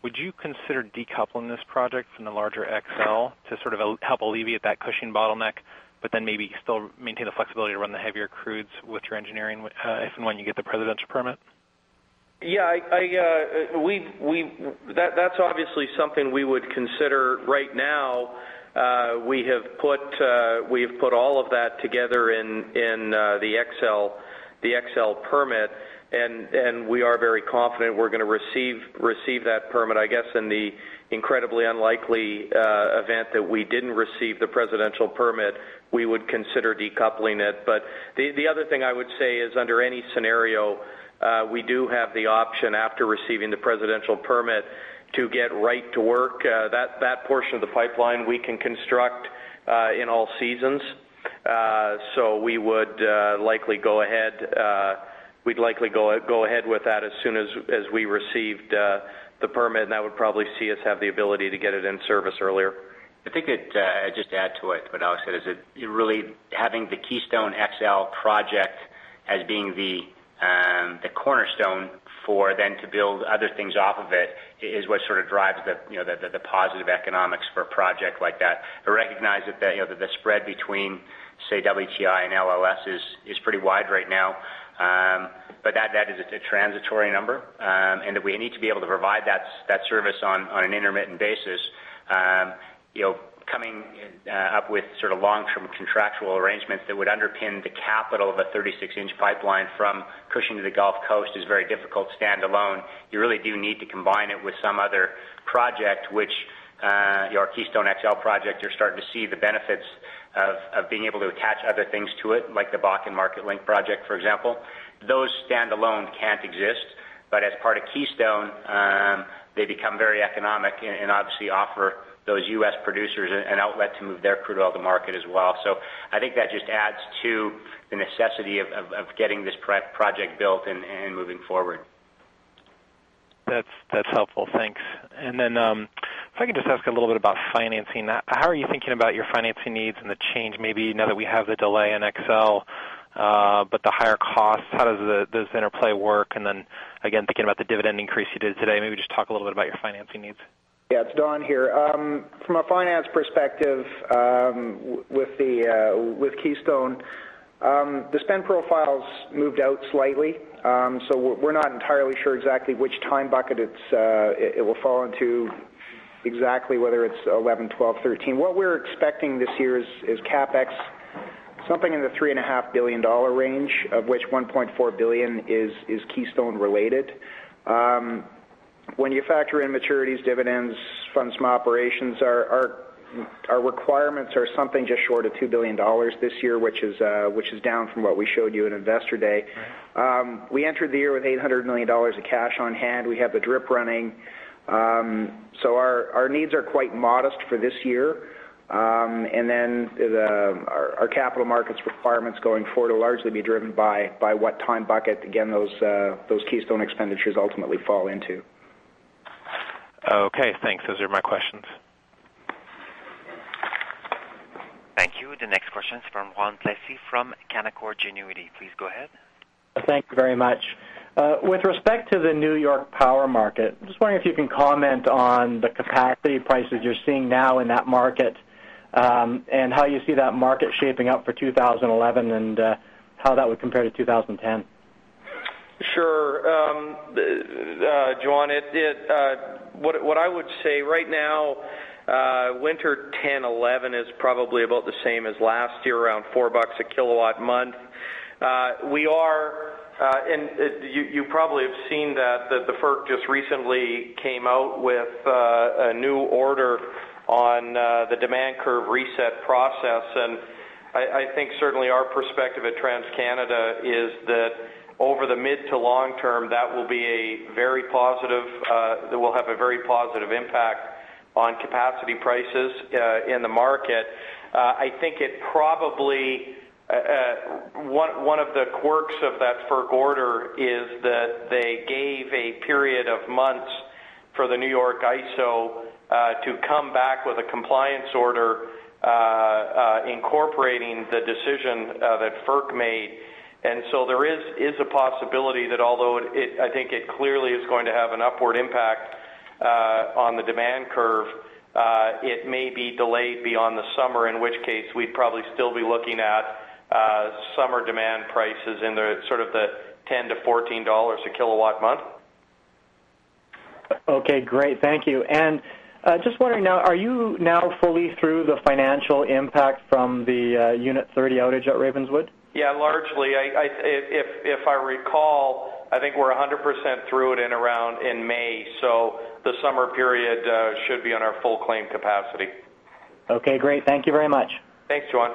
Would you consider decoupling this project from the larger XL to sort of help alleviate that Cushing bottleneck, but then maybe still maintain the flexibility to run the heavier crudes with your engineering if and when you get the presidential permit? Yeah. That's obviously something we would consider right now. We have put all of that together in the XL permit, and we are very confident we're going to receive that permit. I guess in the incredibly unlikely event that we didn't receive the presidential permit, we would consider decoupling it. The other thing I would say is, under any scenario, we do have the option after receiving the presidential permit to get right to work. That portion of the pipeline we can construct in all seasons. We'd likely go ahead with that as soon as we received the permit, and that would probably see us have the ability to get it in service earlier. I think, just to add to what Alex said, is that really having the Keystone XL project as being the cornerstone for then to build other things off of it is what sort of drives the positive economics for a project like that. I recognize that the spread between, say, WTI and LLS is pretty wide right now. That is a transitory number, and that we need to be able to provide that service on an intermittent basis. Coming up with long-term contractual arrangements that would underpin the capital of a 36-inch pipeline from Cushing to the Gulf Coast is very difficult standalone. You really do need to combine it with some other project, which our Keystone XL project, you're starting to see the benefits. Of being able to attach other things to it, like the Bakken Marketlink project, for example. Those standalone can't exist, but as part of Keystone, they become very economic and obviously offer those U.S. producers an outlet to move their crude oil to market as well. I think that just adds to the necessity of getting this project built and moving forward. That's helpful. Thanks. If I could just ask a little bit about financing. How are you thinking about your financing needs and the change maybe now that we have the delay in XL, but the higher costs, how does the interplay work? Again, thinking about the dividend increase you did today, maybe just talk a little bit about your financing needs. Yeah, it's Don here. From a finance perspective, with Keystone, the spend profile's moved out slightly. We're not entirely sure exactly which time bucket it will fall into exactly, whether it's 2011, 2012, 2013. What we're expecting this year is CapEx something in the $3.5 billion range, of which $1.4 billion is Keystone related. When you factor in maturities, dividends, funds from operations, our requirements are something just short of $2 billion this year, which is down from what we showed you in Investor Day. Right. We entered the year with 800 million dollars of cash on hand. We have the DRIP running. Our needs are quite modest for this year. Our capital markets requirements going forward will largely be driven by what time bucket, again, those Keystone expenditures ultimately fall into. Okay, thanks. Those are my questions. Thank you. The next question is from Juan Plessis from Canaccord Genuity. Please go ahead. Thank you very much. With respect to the New York power market, just wondering if you can comment on the capacity prices you're seeing now in that market, and how you see that market shaping up for 2011, and how that would compare to 2010. Sure. Juan, what I would say, right now, winter 2010, 2011 is probably about the same as last year, around $4 a kilowatt month. You probably have seen that the FERC just recently came out with a new order on the demand curve reset process. I think certainly our perspective at TransCanada is that over the mid- to long-term, that will have a very positive impact on capacity prices in the market. One of the quirks of that FERC order is that they gave a period of months for the New York ISO to come back with a compliance order incorporating the decision that FERC made. There is a possibility that although I think it clearly is going to have an upward impact on the demand curve, it may be delayed beyond the summer, in which case, we'd probably still be looking at summer demand prices in the sort of $10-$14 a kilowatt month. Okay, great. Thank you. Just wondering now, are you now fully through the financial impact from the Unit 30 outage at Ravenswood? Yeah, largely. If I recall, I think we're 100% through it in around May. The summer period should be on our full claim capacity. Okay, great. Thank you very much. Thanks, Juan.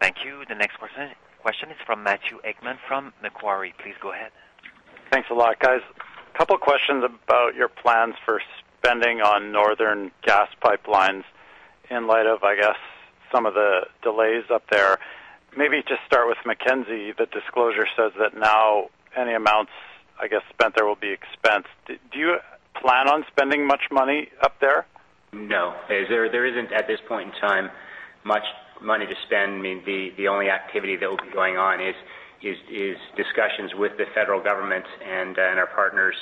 Thank you. The next question is from Matthew Akman from Macquarie. Please go ahead. Thanks a lot, guys. Couple questions about your plans for spending on Northern Gas pipelines in light of, I guess, some of the delays up there. Maybe just start with Mackenzie. The disclosure says that now any amounts, I guess, spent there will be expensed. Do you plan on spending much money up there? No. There isn't, at this point in time, much money to spend. I mean, the only activity that will be going on is discussions with the federal government and our partners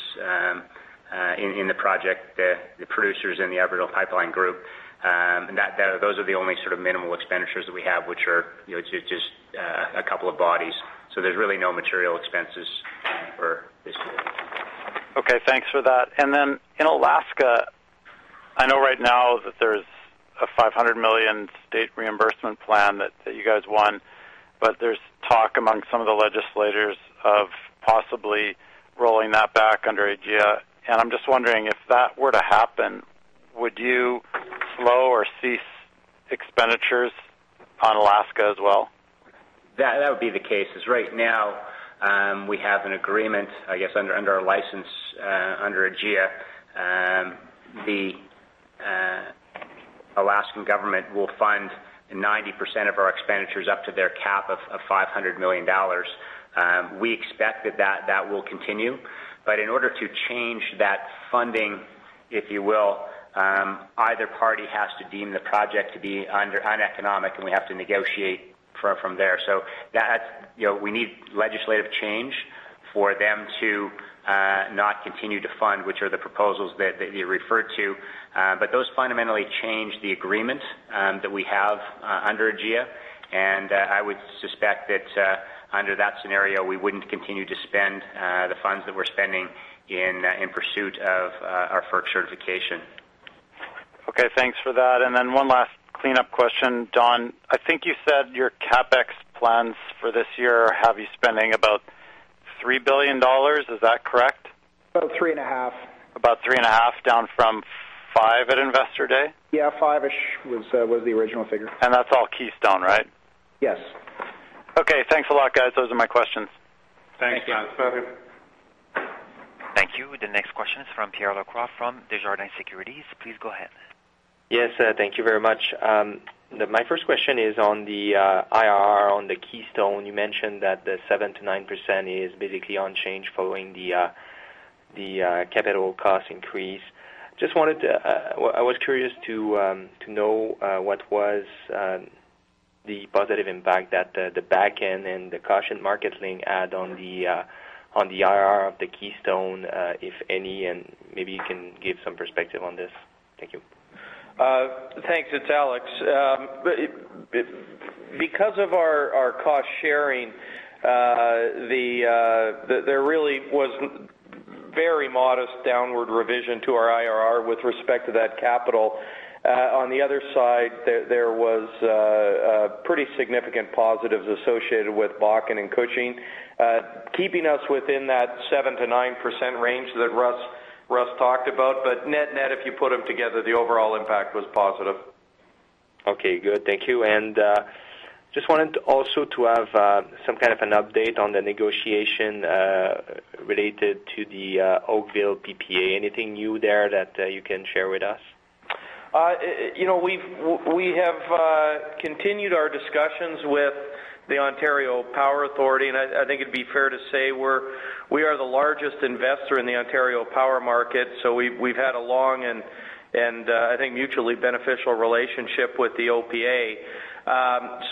in the project, the producers in the Aboriginal Pipeline Group. Those are the only sort of minimal expenditures that we have, which are just a couple of bodies. There's really no material expenses for this year. Okay, thanks for that. Then in Alaska, I know right now that there's a $500 million state reimbursement plan that you guys won, but there's talk among some of the legislators of possibly rolling that back under AGIA. I'm just wondering, if that were to happen, would you slow or cease expenditures on Alaska as well? That would be the case, because right now, we have an agreement, I guess, under our license, under AGIA. The Alaskan government will fund 90% of our expenditures up to their cap of $500 million. We expect that that will continue. In order to change that funding, if you will, either party has to deem the project to be uneconomic, and we have to negotiate from there. We need legislative change for them to not continue to fund, which are the proposals that you referred to. Those fundamentally change the agreement that we have under AGIA, and I would suspect that under that scenario, we wouldn't continue to spend the funds that we're spending in pursuit of our FERC certification. Okay, thanks for that. One last cleanup question. Don, I think you said your CapEx plans for this year have you spending about 3 billion dollars. Is that correct? About 3.5. About 3.5, down from 5 at Investor Day? Yeah, 5-ish was the original figure. That's all Keystone, right? Yes. Okay, thanks a lot, guys. Those are my questions. Thanks. Thank you. The next question is from Pierre Lacroix from Desjardins Securities. Please go ahead. Yes, thank you very much. My first question is on the IRR on the Keystone. You mentioned that the 7%-9% is basically unchanged following the capital cost increase. I was curious to know what was the positive impact that the Bakken and the Cushing marketing add on the IRR of the Keystone, if any, and maybe you can give some perspective on this. Thank you. Thanks. It's Alex. Because of our cost sharing, there really was very modest downward revision to our IRR with respect to that capital. On the other side, there was pretty significant positives associated with Bakken and Cushing. Keeping us within that 7%-9% range that Russ talked about. Net-net, if you put them together, the overall impact was positive. Okay, good. Thank you. Just wanted to also have some kind of an update on the negotiation related to the Oakville PPA. Anything new there that you can share with us? We have continued our discussions with the Ontario Power Authority, and I think it'd be fair to say we are the largest investor in the Ontario power market. We've had a long and, I think, mutually beneficial relationship with the OPA.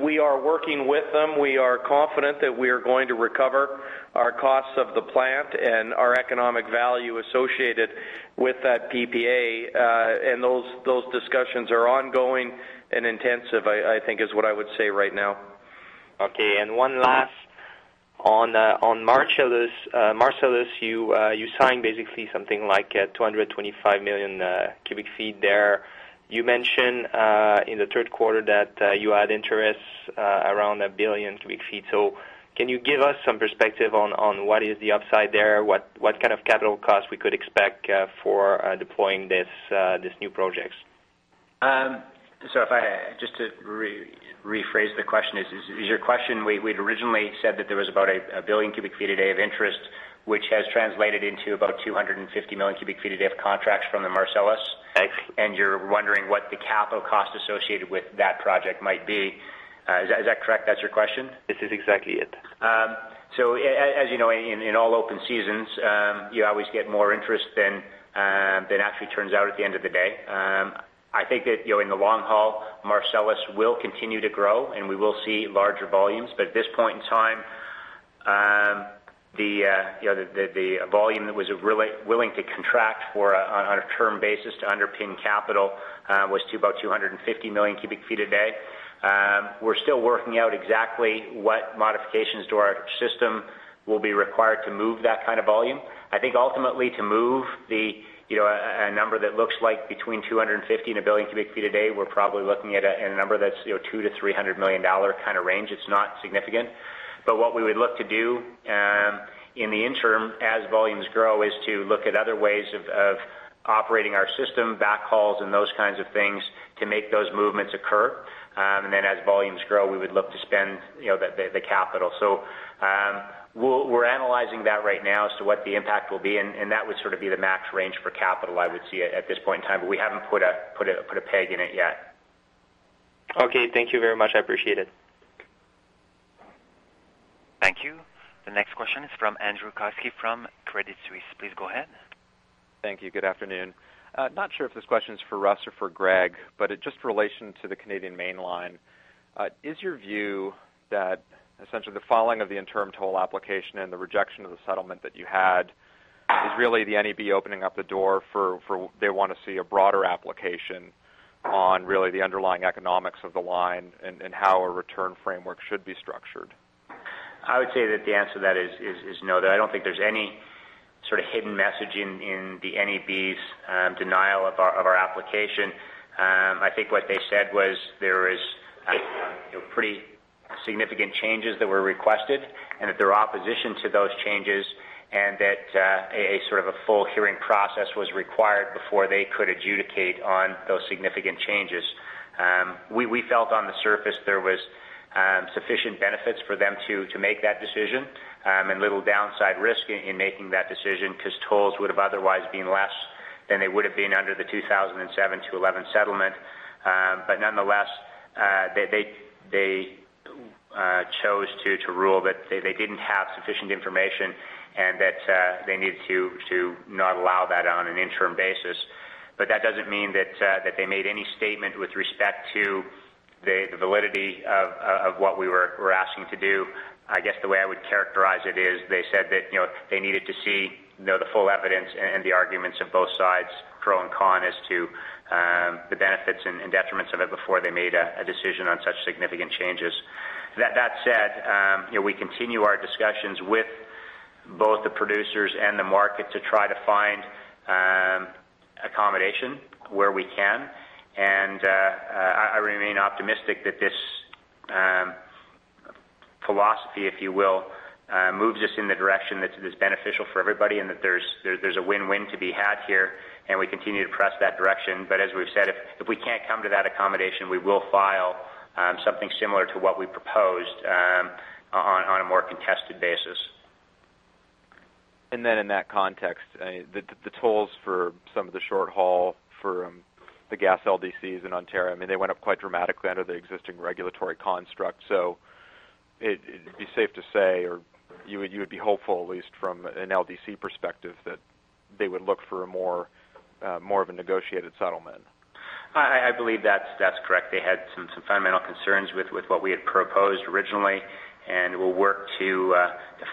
We are working with them. We are confident that we are going to recover our costs of the plant and our economic value associated with that PPA. Those discussions are ongoing and intensive, I think, is what I would say right now. Okay, one last on Marcellus. You signed basically something like 225 million cu ft there. You mentioned in the third quarter that you had interest around 1 billion cu ft. Can you give us some perspective on what is the upside there? What kind of capital cost we could expect for deploying these new projects? Just to rephrase the question. Is your question, we'd originally said that there was about 1 billion cu ft a day of interest, which has translated into about 250 million cu ft a day of contracts from the Marcellus? Right. You're wondering what the capital cost associated with that project might be. Is that correct? That's your question? This is exactly it. As you know, in all open seasons, you always get more interest than actually turns out at the end of the day. I think that in the long haul, Marcellus will continue to grow, and we will see larger volumes. At this point in time, the volume that was willing to contract for on a term basis to underpin capital was to about 250 million cu ft a day. We're still working out exactly what modifications to our system will be required to move that kind of volume. I think ultimately to move a number that looks like between 250 and 1 billion cu ft a day, we're probably looking at a number that's $200-$300 million kind of range. It's not significant. What we would look to do in the interim, as volumes grow, is to look at other ways of operating our system, backhauls and those kinds of things, to make those movements occur. As volumes grow, we would look to spend the capital. We're analyzing that right now as to what the impact will be, and that would sort of be the max range for capital, I would see at this point in time. We haven't put a peg in it yet. Okay, thank you very much. I appreciate it. Thank you. The next question is from Andrew Kuske from Credit Suisse. Please go ahead. Thank you. Good afternoon. Not sure if this question is for Russ or for Greg, but it's just in relation to the Canadian Mainline. Is your view that essentially the filing of the interim toll application and the rejection of the settlement that you had is really the NEB opening up the door for, they want to see a broader application on really the underlying economics of the line and how a return framework should be structured? I would say that the answer to that is no, that I don't think there's any sort of hidden message in the NEB's denial of our application. I think what they said was there is pretty significant changes that were requested and that their opposition to those changes and that a sort of a full hearing process was required before they could adjudicate on those significant changes. We felt on the surface there was sufficient benefits for them to make that decision and little downside risk in making that decision because tolls would have otherwise been less than they would have been under the 2007-2011 settlement. Nonetheless, they chose to rule that they didn't have sufficient information and that they needed to not allow that on an interim basis. that doesn't mean that they made any statement with respect to the validity of what we were asking to do. I guess the way I would characterize it is they said that they needed to see the full evidence and the arguments of both sides, pro and con, as to the benefits and detriments of it before they made a decision on such significant changes. That said, we continue our discussions with both the producers and the market to try to find accommodation where we can. I remain optimistic that this philosophy, if you will, moves us in the direction that is beneficial for everybody and that there's a win-win to be had here, and we continue to press that direction. as we've said, if we can't come to that accommodation, we will file something similar to what we proposed on a more contested basis. In that context, the tolls for some of the short haul for the gas LDCs in Ontario, they went up quite dramatically under the existing regulatory construct. It'd be safe to say, or you would be hopeful, at least from an LDC perspective, that they would look for more of a negotiated settlement. I believe that's correct. They had some fundamental concerns with what we had proposed originally, and we'll work to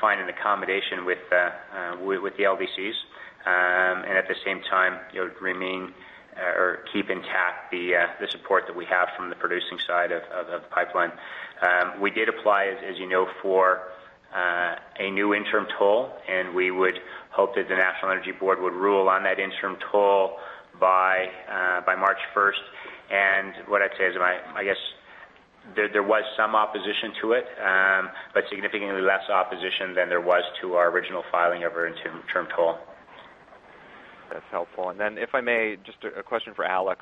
find an accommodation with the LDCs. At the same time, remain or keep intact the support that we have from the producing side of the pipeline. We did apply, as you know, for a new interim toll, and we would hope that the National Energy Board would rule on that interim toll by March 1st. What I'd say is, I guess there was some opposition to it, but significantly less opposition than there was to our original filing of our interim toll. That's helpful. If I may, just a question for Alex,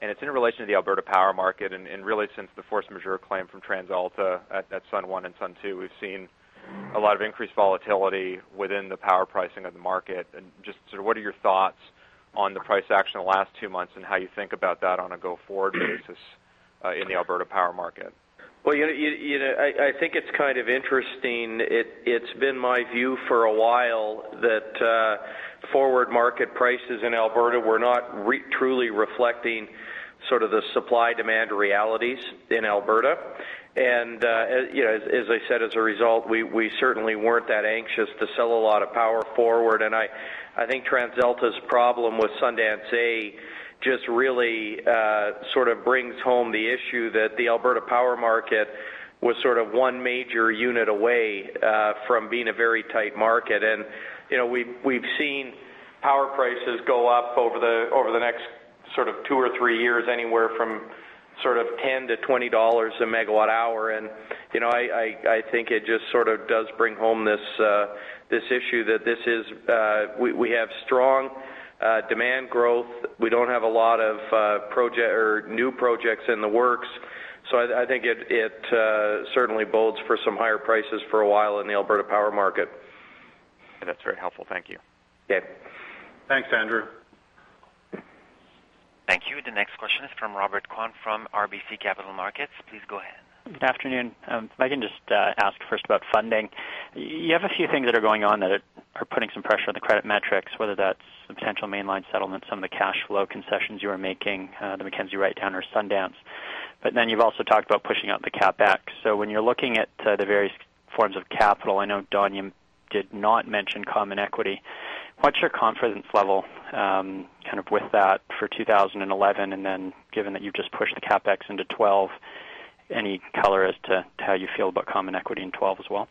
and it's in relation to the Alberta power market, and really since the force majeure claim from TransAlta at Sundance 1 and Sundance 2, we've seen a lot of increased volatility within the power pricing of the market. Just sort of what are your thoughts on the price action the last two months and how you think about that on a go-forward basis in the Alberta power market? Well, I think it's kind of interesting. It's been my view for a while that forward market prices in Alberta were not truly reflecting sort of the supply-demand realities in Alberta. As I said, as a result, we certainly weren't that anxious to sell a lot of power forward. I think TransAlta's problem with Sundance A just really sort of brings home the issue that the Alberta power market was sort of one major unit away from being a very tight market. We've seen power prices go up over the next sort of two or three years, anywhere from sort of 10-20 dollars a megawatt hour. I think it just sort of does bring home this issue that we have strong demand growth. We don't have a lot of new projects in the works. I think it certainly bodes for some higher prices for a while in the Alberta power market. That's very helpful. Thank you. Okay. Thanks, Andrew. Thank you. The next question is from Robert Kwan from RBC Capital Markets. Please go ahead. Good afternoon. If I can just ask first about funding. You have a few things that are going on that are putting some pressure on the credit metrics, whether that's the potential Mainline settlement, some of the cash flow concessions you are making, the Mackenzie write-down or Sundance. But then you've also talked about pushing out the CapEx. So when you're looking at the various forms of capital, I know Don, you did not mention common equity. What's your confidence level with that for 2011? And then given that you've just pushed the CapEx into 2012, any color as to how you feel about common equity in 2012 as well?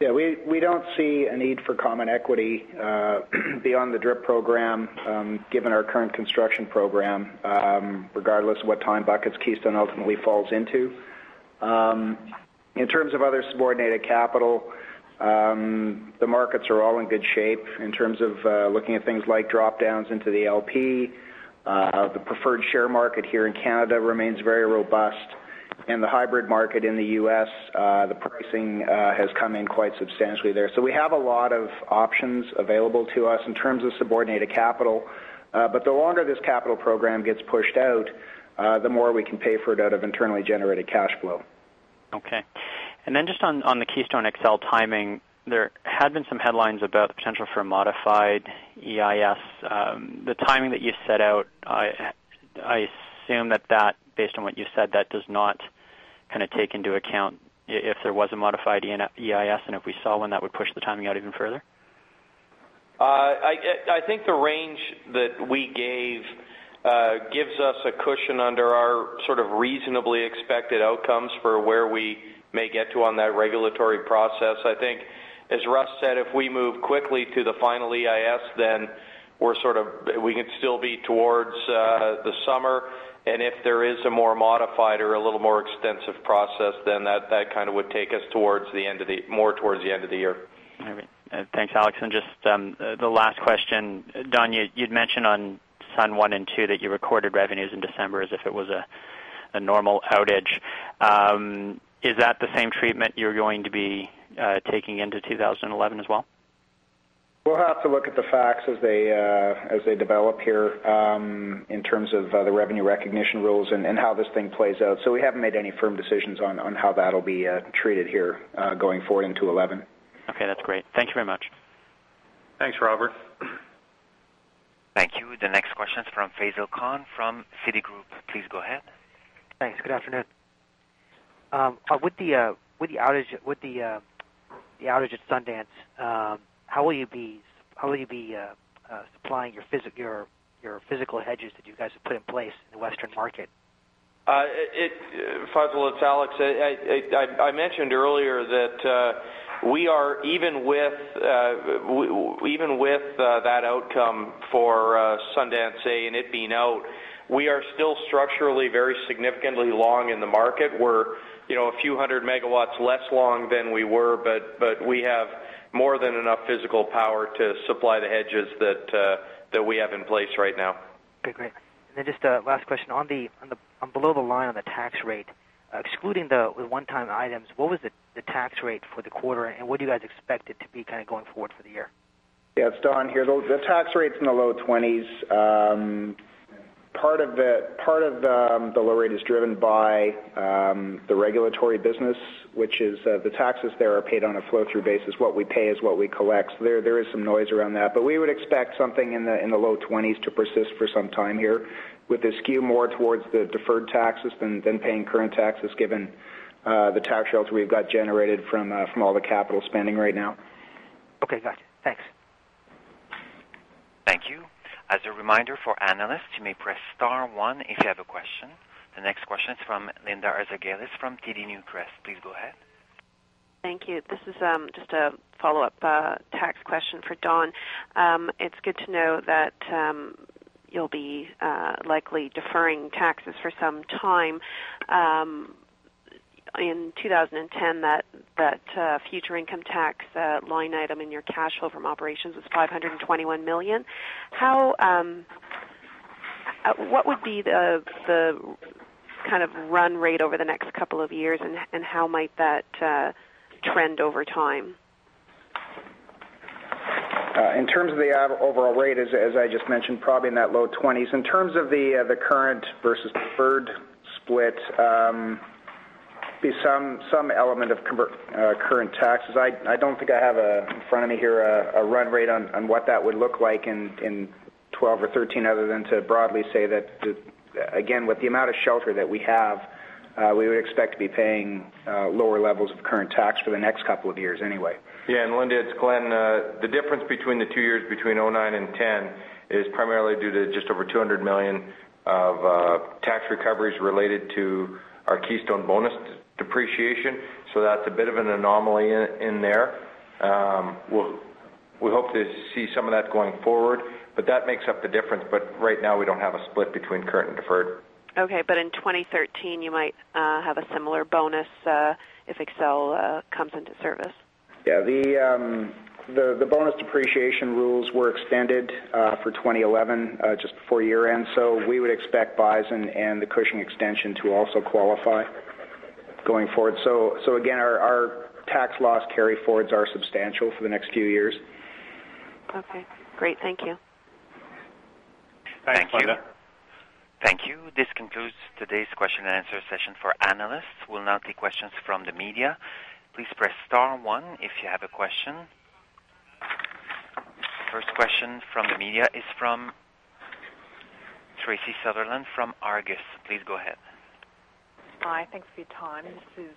Yeah. We don't see a need for common equity beyond the DRIP program given our current construction program, regardless of what time buckets Keystone ultimately falls into. In terms of other subordinated capital, the markets are all in good shape in terms of looking at things like drop-downs into the LP. The preferred share market here in Canada remains very robust. The hybrid market in the U.S., the pricing has come in quite substantially there. We have a lot of options available to us in terms of subordinated capital. The longer this capital program gets pushed out, the more we can pay for it out of internally generated cash flow. Okay. Just on the Keystone XL timing, there had been some headlines about the potential for a modified EIS. The timing that you set out, I assume that based on what you said, that does not take into account if there was a modified EIS, and if we saw one, that would push the timing out even further? I think the range that we gave gives us a cushion under our sort of reasonably expected outcomes for where we may get to on that regulatory process. I think as Russ said, if we move quickly to the final EIS, then we can still be towards the summer. If there is a more modified or a little more extensive process, then that would take us more towards the end of the year. All right. Thanks, Alex. Just the last question. Don, you'd mentioned on Sundance 1 and 2 that you recorded revenues in December as if it was a normal outage. Is that the same treatment you're going to be taking into 2011 as well? We'll have to look at the facts as they develop here in terms of the revenue recognition rules and how this thing plays out. We haven't made any firm decisions on how that'll be treated here going forward into 2011. Okay. That's great. Thank you very much. Thanks, Robert. Thank you. The next question is from Faisel Khan from Citigroup. Please go ahead. Thanks. Good afternoon. With the outage at Sundance, how will you be supplying your physical hedges that you guys have put in place in the Western market? Faisel, it's Alex. I mentioned earlier that We are, even with that outcome for Sundance A and it being out, we are still structurally very significantly long in the market. We're a few hundred megawatts less long than we were, but we have more than enough physical power to supply the hedges that we have in place right now. Okay, great. Just a last question. On below the line on the tax rate, excluding the one-time items, what was the tax rate for the quarter, and what do you guys expect it to be going forward for the year? Yeah, it's Don here. The tax rate's in the low 20s. Part of the low rate is driven by the regulatory business, which is the taxes there are paid on a flow-through basis. What we pay is what we collect. There is some noise around that. We would expect something in the low 20s to persist for some time here, with the skew more towards the deferred taxes than paying current taxes, given the tax shelter we've got generated from all the capital spending right now. Okay, got it. Thanks. Thank you. As a reminder for analysts, you may press star one if you have a question. The next question is from Linda Ezergailis from TD Newcrest. Please go ahead. Thank you. This is just a follow-up tax question for Don. It's good to know that you'll be likely deferring taxes for some time. In 2010, that future income tax line item in your cash flow from operations was 521 million. What would be the run rate over the next couple of years, and how might that trend over time? In terms of the overall rate, as I just mentioned, probably in that low 20s%. In terms of the current versus deferred split, there'll be some element of current taxes. I don't think I have in front of me here a run rate on what that would look like in 2012 or 2013, other than to broadly say that, again, with the amount of shelter that we have, we would expect to be paying lower levels of current tax for the next couple of years anyway. Yeah. Linda, it's Glenn. The difference between the two years between 2009 and 2010 is primarily due to just over $200 million of tax recoveries related to our Keystone bonus depreciation. That's a bit of an anomaly in there. We hope to see some of that going forward, but that makes up the difference. Right now, we don't have a split between current and deferred. Okay. In 2013, you might have a similar bonus if XL comes into service. Yeah. The bonus depreciation rules were extended for 2011, just before year-end. We would expect Bison and the Cushing extension to also qualify going forward. Again, our tax loss carry forwards are substantial for the next few years. Okay, great. Thank you. Thanks, Linda. Thank you. This concludes today's question and answer session for analysts. We'll now take questions from the media. Please press star one if you have a question. The first question from the media is from Tracy Sutherland from Argus. Please go ahead. Hi, thanks for your time. This is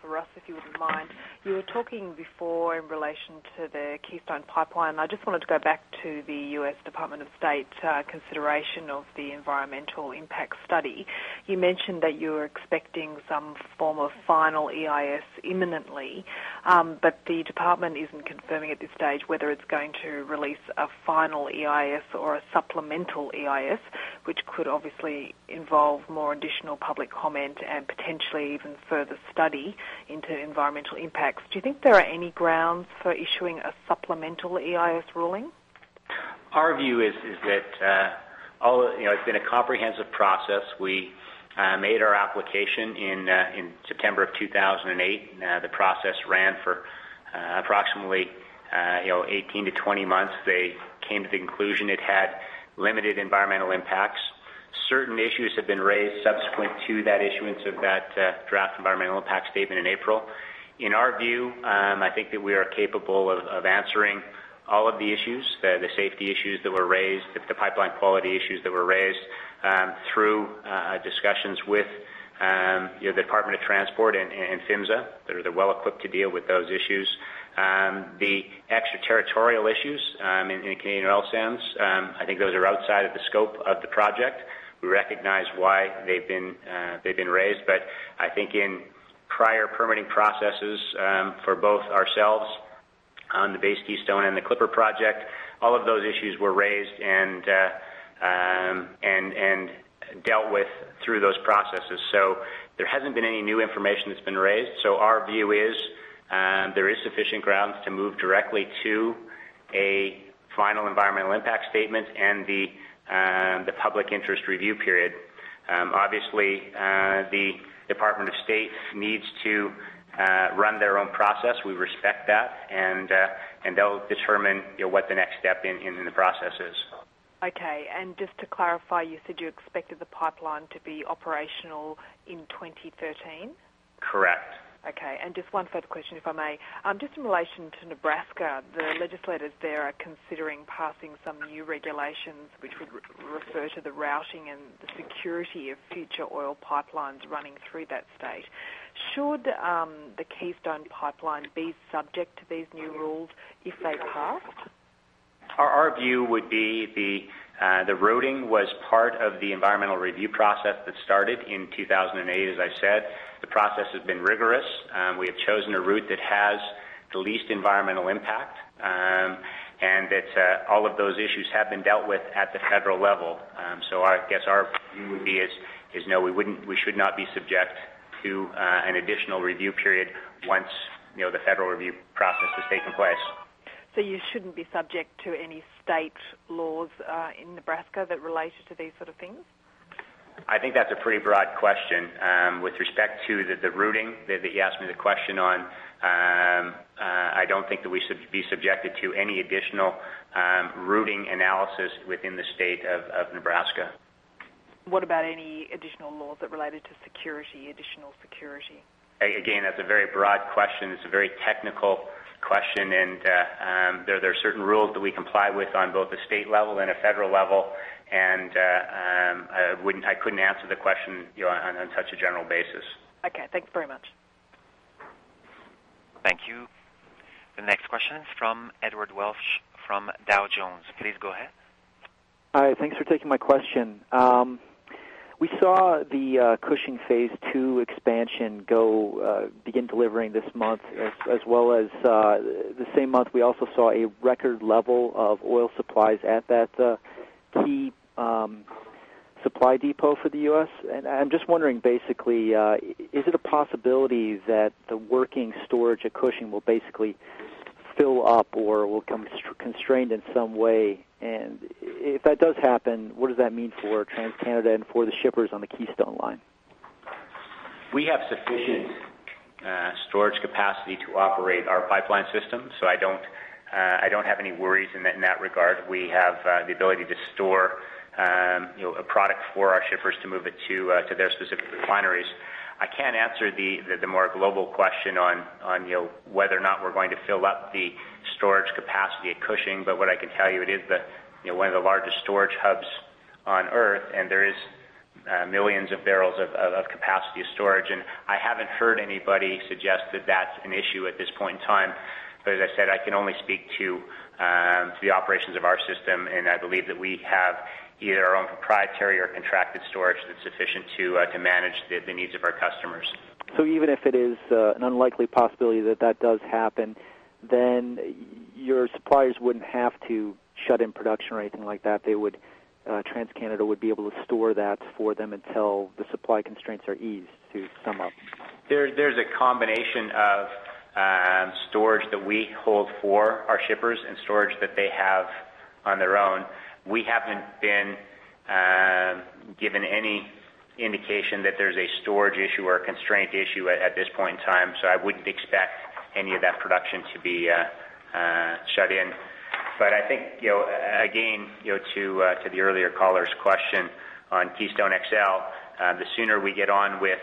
for Russ, if you wouldn't mind. You were talking before in relation to the Keystone Pipeline. I just wanted to go back to the U.S. Department of State's consideration of the environmental impact study. You mentioned that you were expecting some form of final EIS imminently. The department isn't confirming at this stage whether it's going to release a final EIS or a supplemental EIS, which could obviously involve more additional public comment and potentially even further study into environmental impacts. Do you think there are any grounds for issuing a supplemental EIS ruling? Our view is that it's been a comprehensive process. We made our application in September of 2008. The process ran for approximately 18-20 months. They came to the conclusion it had limited environmental impacts. Certain issues have been raised subsequent to that issuance of that draft environmental impact statement in April. In our view, I think that we are capable of answering all of the issues, the safety issues that were raised, the pipeline quality issues that were raised, through discussions with the United States Department of Transportation and PHMSA. They're well-equipped to deal with those issues. The extraterritorial issues in Canadian oil sands, I think those are outside of the scope of the project. We recognize why they've been raised, but I think in prior permitting processes for both ourselves on the base Keystone and the Clipper project, all of those issues were raised and dealt with through those processes. There hasn't been any new information that's been raised. Our view is there is sufficient grounds to move directly to a final environmental impact statement and the public interest review period. Obviously, the Department of State needs to run their own process. We respect that, and they'll determine what the next step in the process is. Okay. Just to clarify, you said you expected the pipeline to be operational in 2013? Correct. Okay. Just one further question, if I may. Just in relation to Nebraska, the legislators there are considering passing some new regulations which would refer to the routing and the security of future oil pipelines running through that state. Should the Keystone Pipeline be subject to these new rules if they passed? Our view would be the routing was part of the environmental review process that started in 2008, as I said. The process has been rigorous. We have chosen a route that has the least environmental impact, and that all of those issues have been dealt with at the federal level. I guess our view would be is, no, we should not be subject to an additional review period once the federal review process has taken place. You shouldn't be subject to any state laws in Nebraska that relate to these sort of things? I think that's a pretty broad question. With respect to the routing that you asked me the question on, I don't think that we should be subjected to any additional routing analysis within the state of Nebraska. What about any additional laws that related to security, additional security? That's a very broad question. It's a very technical question, and there are certain rules that we comply with on both the state level and a federal level. I couldn't answer the question on such a general basis. Okay, thank you very much. Thank you. The next question is from Edward Welsch from Dow Jones. Please go ahead. Hi, thanks for taking my question. We saw the Cushing phase II expansion begin delivering this month, as well as the same month we also saw a record level of oil supplies at that key supply depot for the U.S. I'm just wondering, basically, is it a possibility that the working storage at Cushing will basically fill up or will become constrained in some way? If that does happen, what does that mean for TransCanada and for the shippers on the Keystone line? We have sufficient storage capacity to operate our pipeline system, so I don't have any worries in that regard. We have the ability to store a product for our shippers to move it to their specific refineries. I can't answer the more global question on whether or not we're going to fill up the storage capacity at Cushing. What I can tell you, it is one of the largest storage hubs on Earth, and there is millions of bbl of capacity of storage. I haven't heard anybody suggest that that's an issue at this point in time. As I said, I can only speak to the operations of our system, and I believe that we have either our own proprietary or contracted storage that's sufficient to manage the needs of our customers. Even if it is an unlikely possibility that that does happen, then your suppliers wouldn't have to shut in production or anything like that. TransCanada would be able to store that for them until the supply constraints are eased, to sum up. There's a combination of storage that we hold for our shippers and storage that they have on their own. We haven't been given any indication that there's a storage issue or a constraint issue at this point in time, so I wouldn't expect any of that production to be shut in. I think, again, to the earlier caller's question on Keystone XL, the sooner we get on with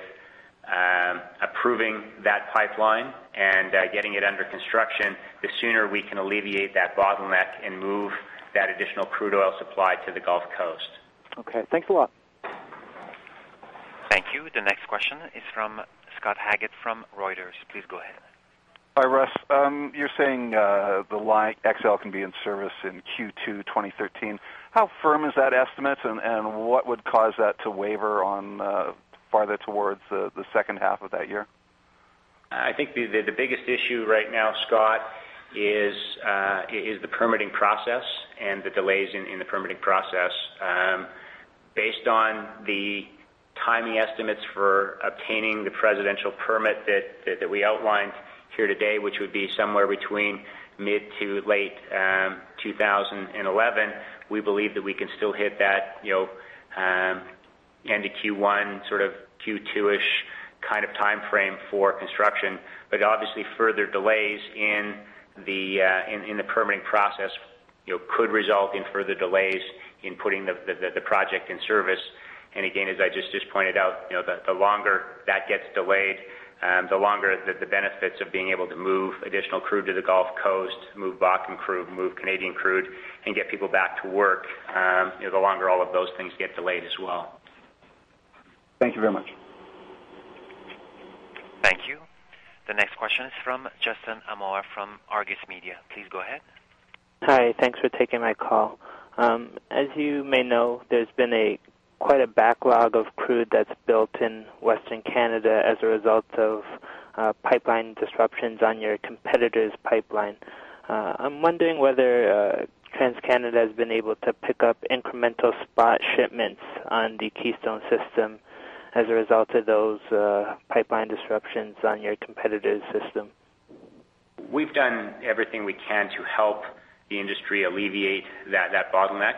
approving that pipeline and getting it under construction, the sooner we can alleviate that bottleneck and move that additional crude oil supply to the Gulf Coast. Okay, thanks a lot. Thank you. The next question is from Scott Haggett from Reuters. Please go ahead. Hi, Russ. You're saying Keystone XL can be in service in Q2 2013. How firm is that estimate, and what would cause that to waver on farther towards the second half of that year? I think the biggest issue right now, Scott, is the permitting process and the delays in the permitting process. Based on the timing estimates for obtaining the presidential permit that we outlined here today, which would be somewhere between mid to late 2011, we believe that we can still hit that end of Q1, sort of Q2-ish kind of time frame for construction. Obviously, further delays in the permitting process could result in further delays in putting the project in service. Again, as I just pointed out, the longer that gets delayed, the longer the benefits of being able to move additional crude to the Gulf Coast, move Bakken crude, move Canadian crude, and get people back to work, the longer all of those things get delayed as well. Thank you very much. Thank you. The next question is from Justin Amoore from Argus Media. Please go ahead. Hi. Thanks for taking my call. As you may know, there's been quite a backlog of crude that's built in Western Canada as a result of pipeline disruptions on your competitor's pipeline. I'm wondering whether TransCanada has been able to pick up incremental spot shipments on the Keystone system as a result of those pipeline disruptions on your competitor's system. We've done everything we can to help the industry alleviate that bottleneck.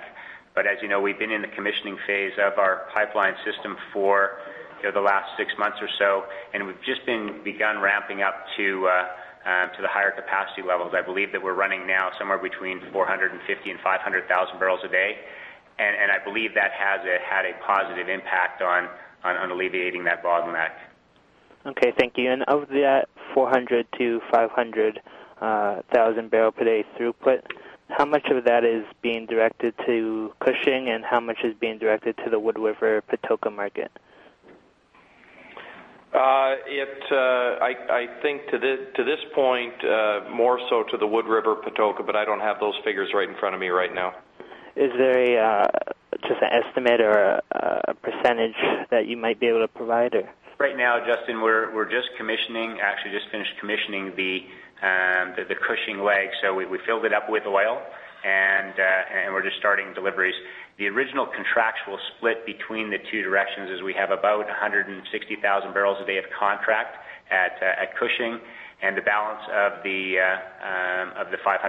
As you know, we've been in the commissioning phase of our pipeline system for the last six months or so, and we've just begun ramping up to the higher capacity levels. I believe that we're running now somewhere between 450,000 and 500,000 bbl a day, and I believe that has had a positive impact on alleviating that bottleneck. Okay, thank you. Of that 400,000-500,000 bbl per day throughput, how much of that is being directed to Cushing and how much is being directed to the Wood River Patoka market? I think to this point, more so to the Wood River Patoka, but I don't have those figures right in front of me right now. Is there just an estimate or a percentage that you might be able to provide? Right now, Justin, we're just commissioning, actually just finished commissioning the Cushing leg. We filled it up with oil and we're just starting deliveries. The original contractual split between the two directions is we have about 160,000 bbl a day of contract at Cushing, and the balance of the 530,000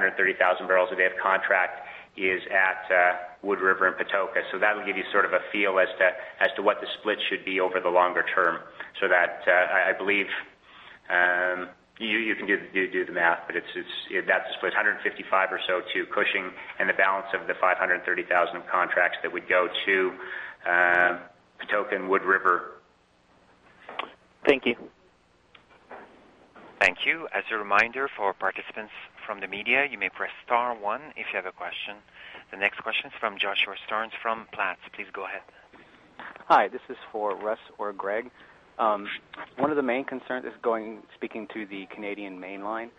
bbl a day of contract is at Wood River and Patoka. That'll give you sort of a feel as to what the split should be over the longer term. That, I believe, you can do the math, but that's the split, 155 or so to Cushing and the balance of the 530,000 contracts that would go to Patoka and Wood River. Thank you. Thank you. As a reminder for participants from the media, you may press star one if you have a question. The next question is from Joshua Starnes from Platts. Please go ahead. Hi, this is for Russ or Greg. One of the main concerns is going, speaking to the Canadian Mainline.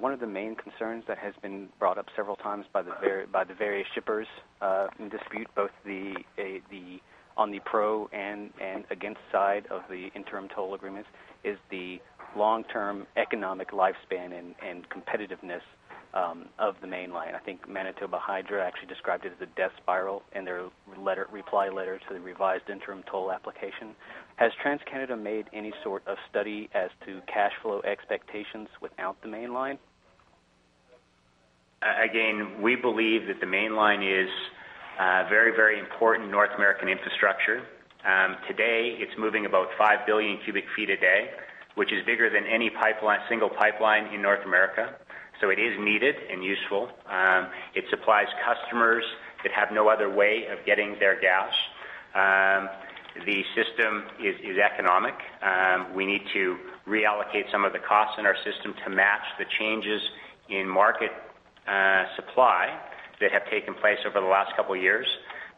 One of the main concerns that has been brought up several times by the various shippers, in dispute both on the pro and against side of the interim toll agreements, is the long-term economic lifespan and competitiveness of the mainline. I think Manitoba Hydro actually described it as a death spiral in their reply letter to the revised interim toll application. Has TransCanada made any sort of study as to cash flow expectations without the mainline? Again, we believe that the mainline is very important North American infrastructure. Today, it's moving about 5 billion cu ft a day, which is bigger than any single pipeline in North America, so it is needed and useful. It supplies customers that have no other way of getting their gas. The system is economic. We need to reallocate some of the costs in our system to match the changes in market supply that have taken place over the last couple of years.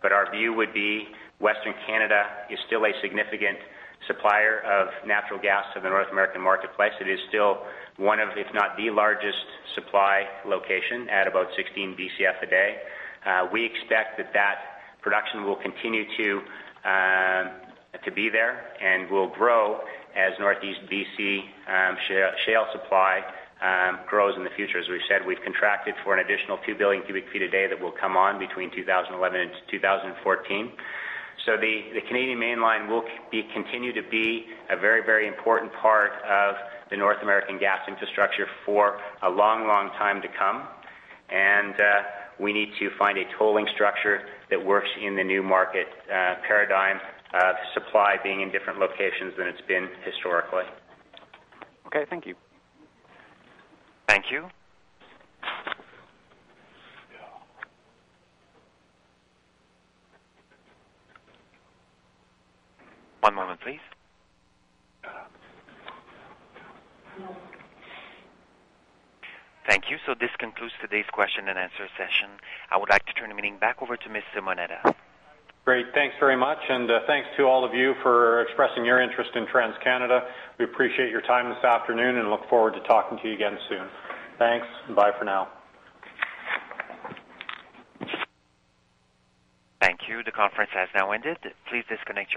Our view would be Western Canada is still a significant supplier of natural gas to the North American marketplace. It is still one of, if not the largest, supply location at about 16 BCF a day. We expect that production will continue to be there and will grow as Northeast BC shale supply grows in the future. As we've said, we've contracted for an additional 2 Bcf a day that will come on between 2011 and 2014. The Canadian Mainline will continue to be a very important part of the North American gas infrastructure for a long time to come. We need to find a tolling structure that works in the new market paradigm of supply being in different locations than it's been historically. Okay, thank you. Thank you. One moment, please. Thank you. This concludes today's question and answer session. I would like to turn the meeting back over to Mr. Moneta. Great. Thanks very much, and thanks to all of you for expressing your interest in TransCanada. We appreciate your time this afternoon and look forward to talking to you again soon. Thanks and bye for now. Thank you. The conference has now ended. Please disconnect your phones.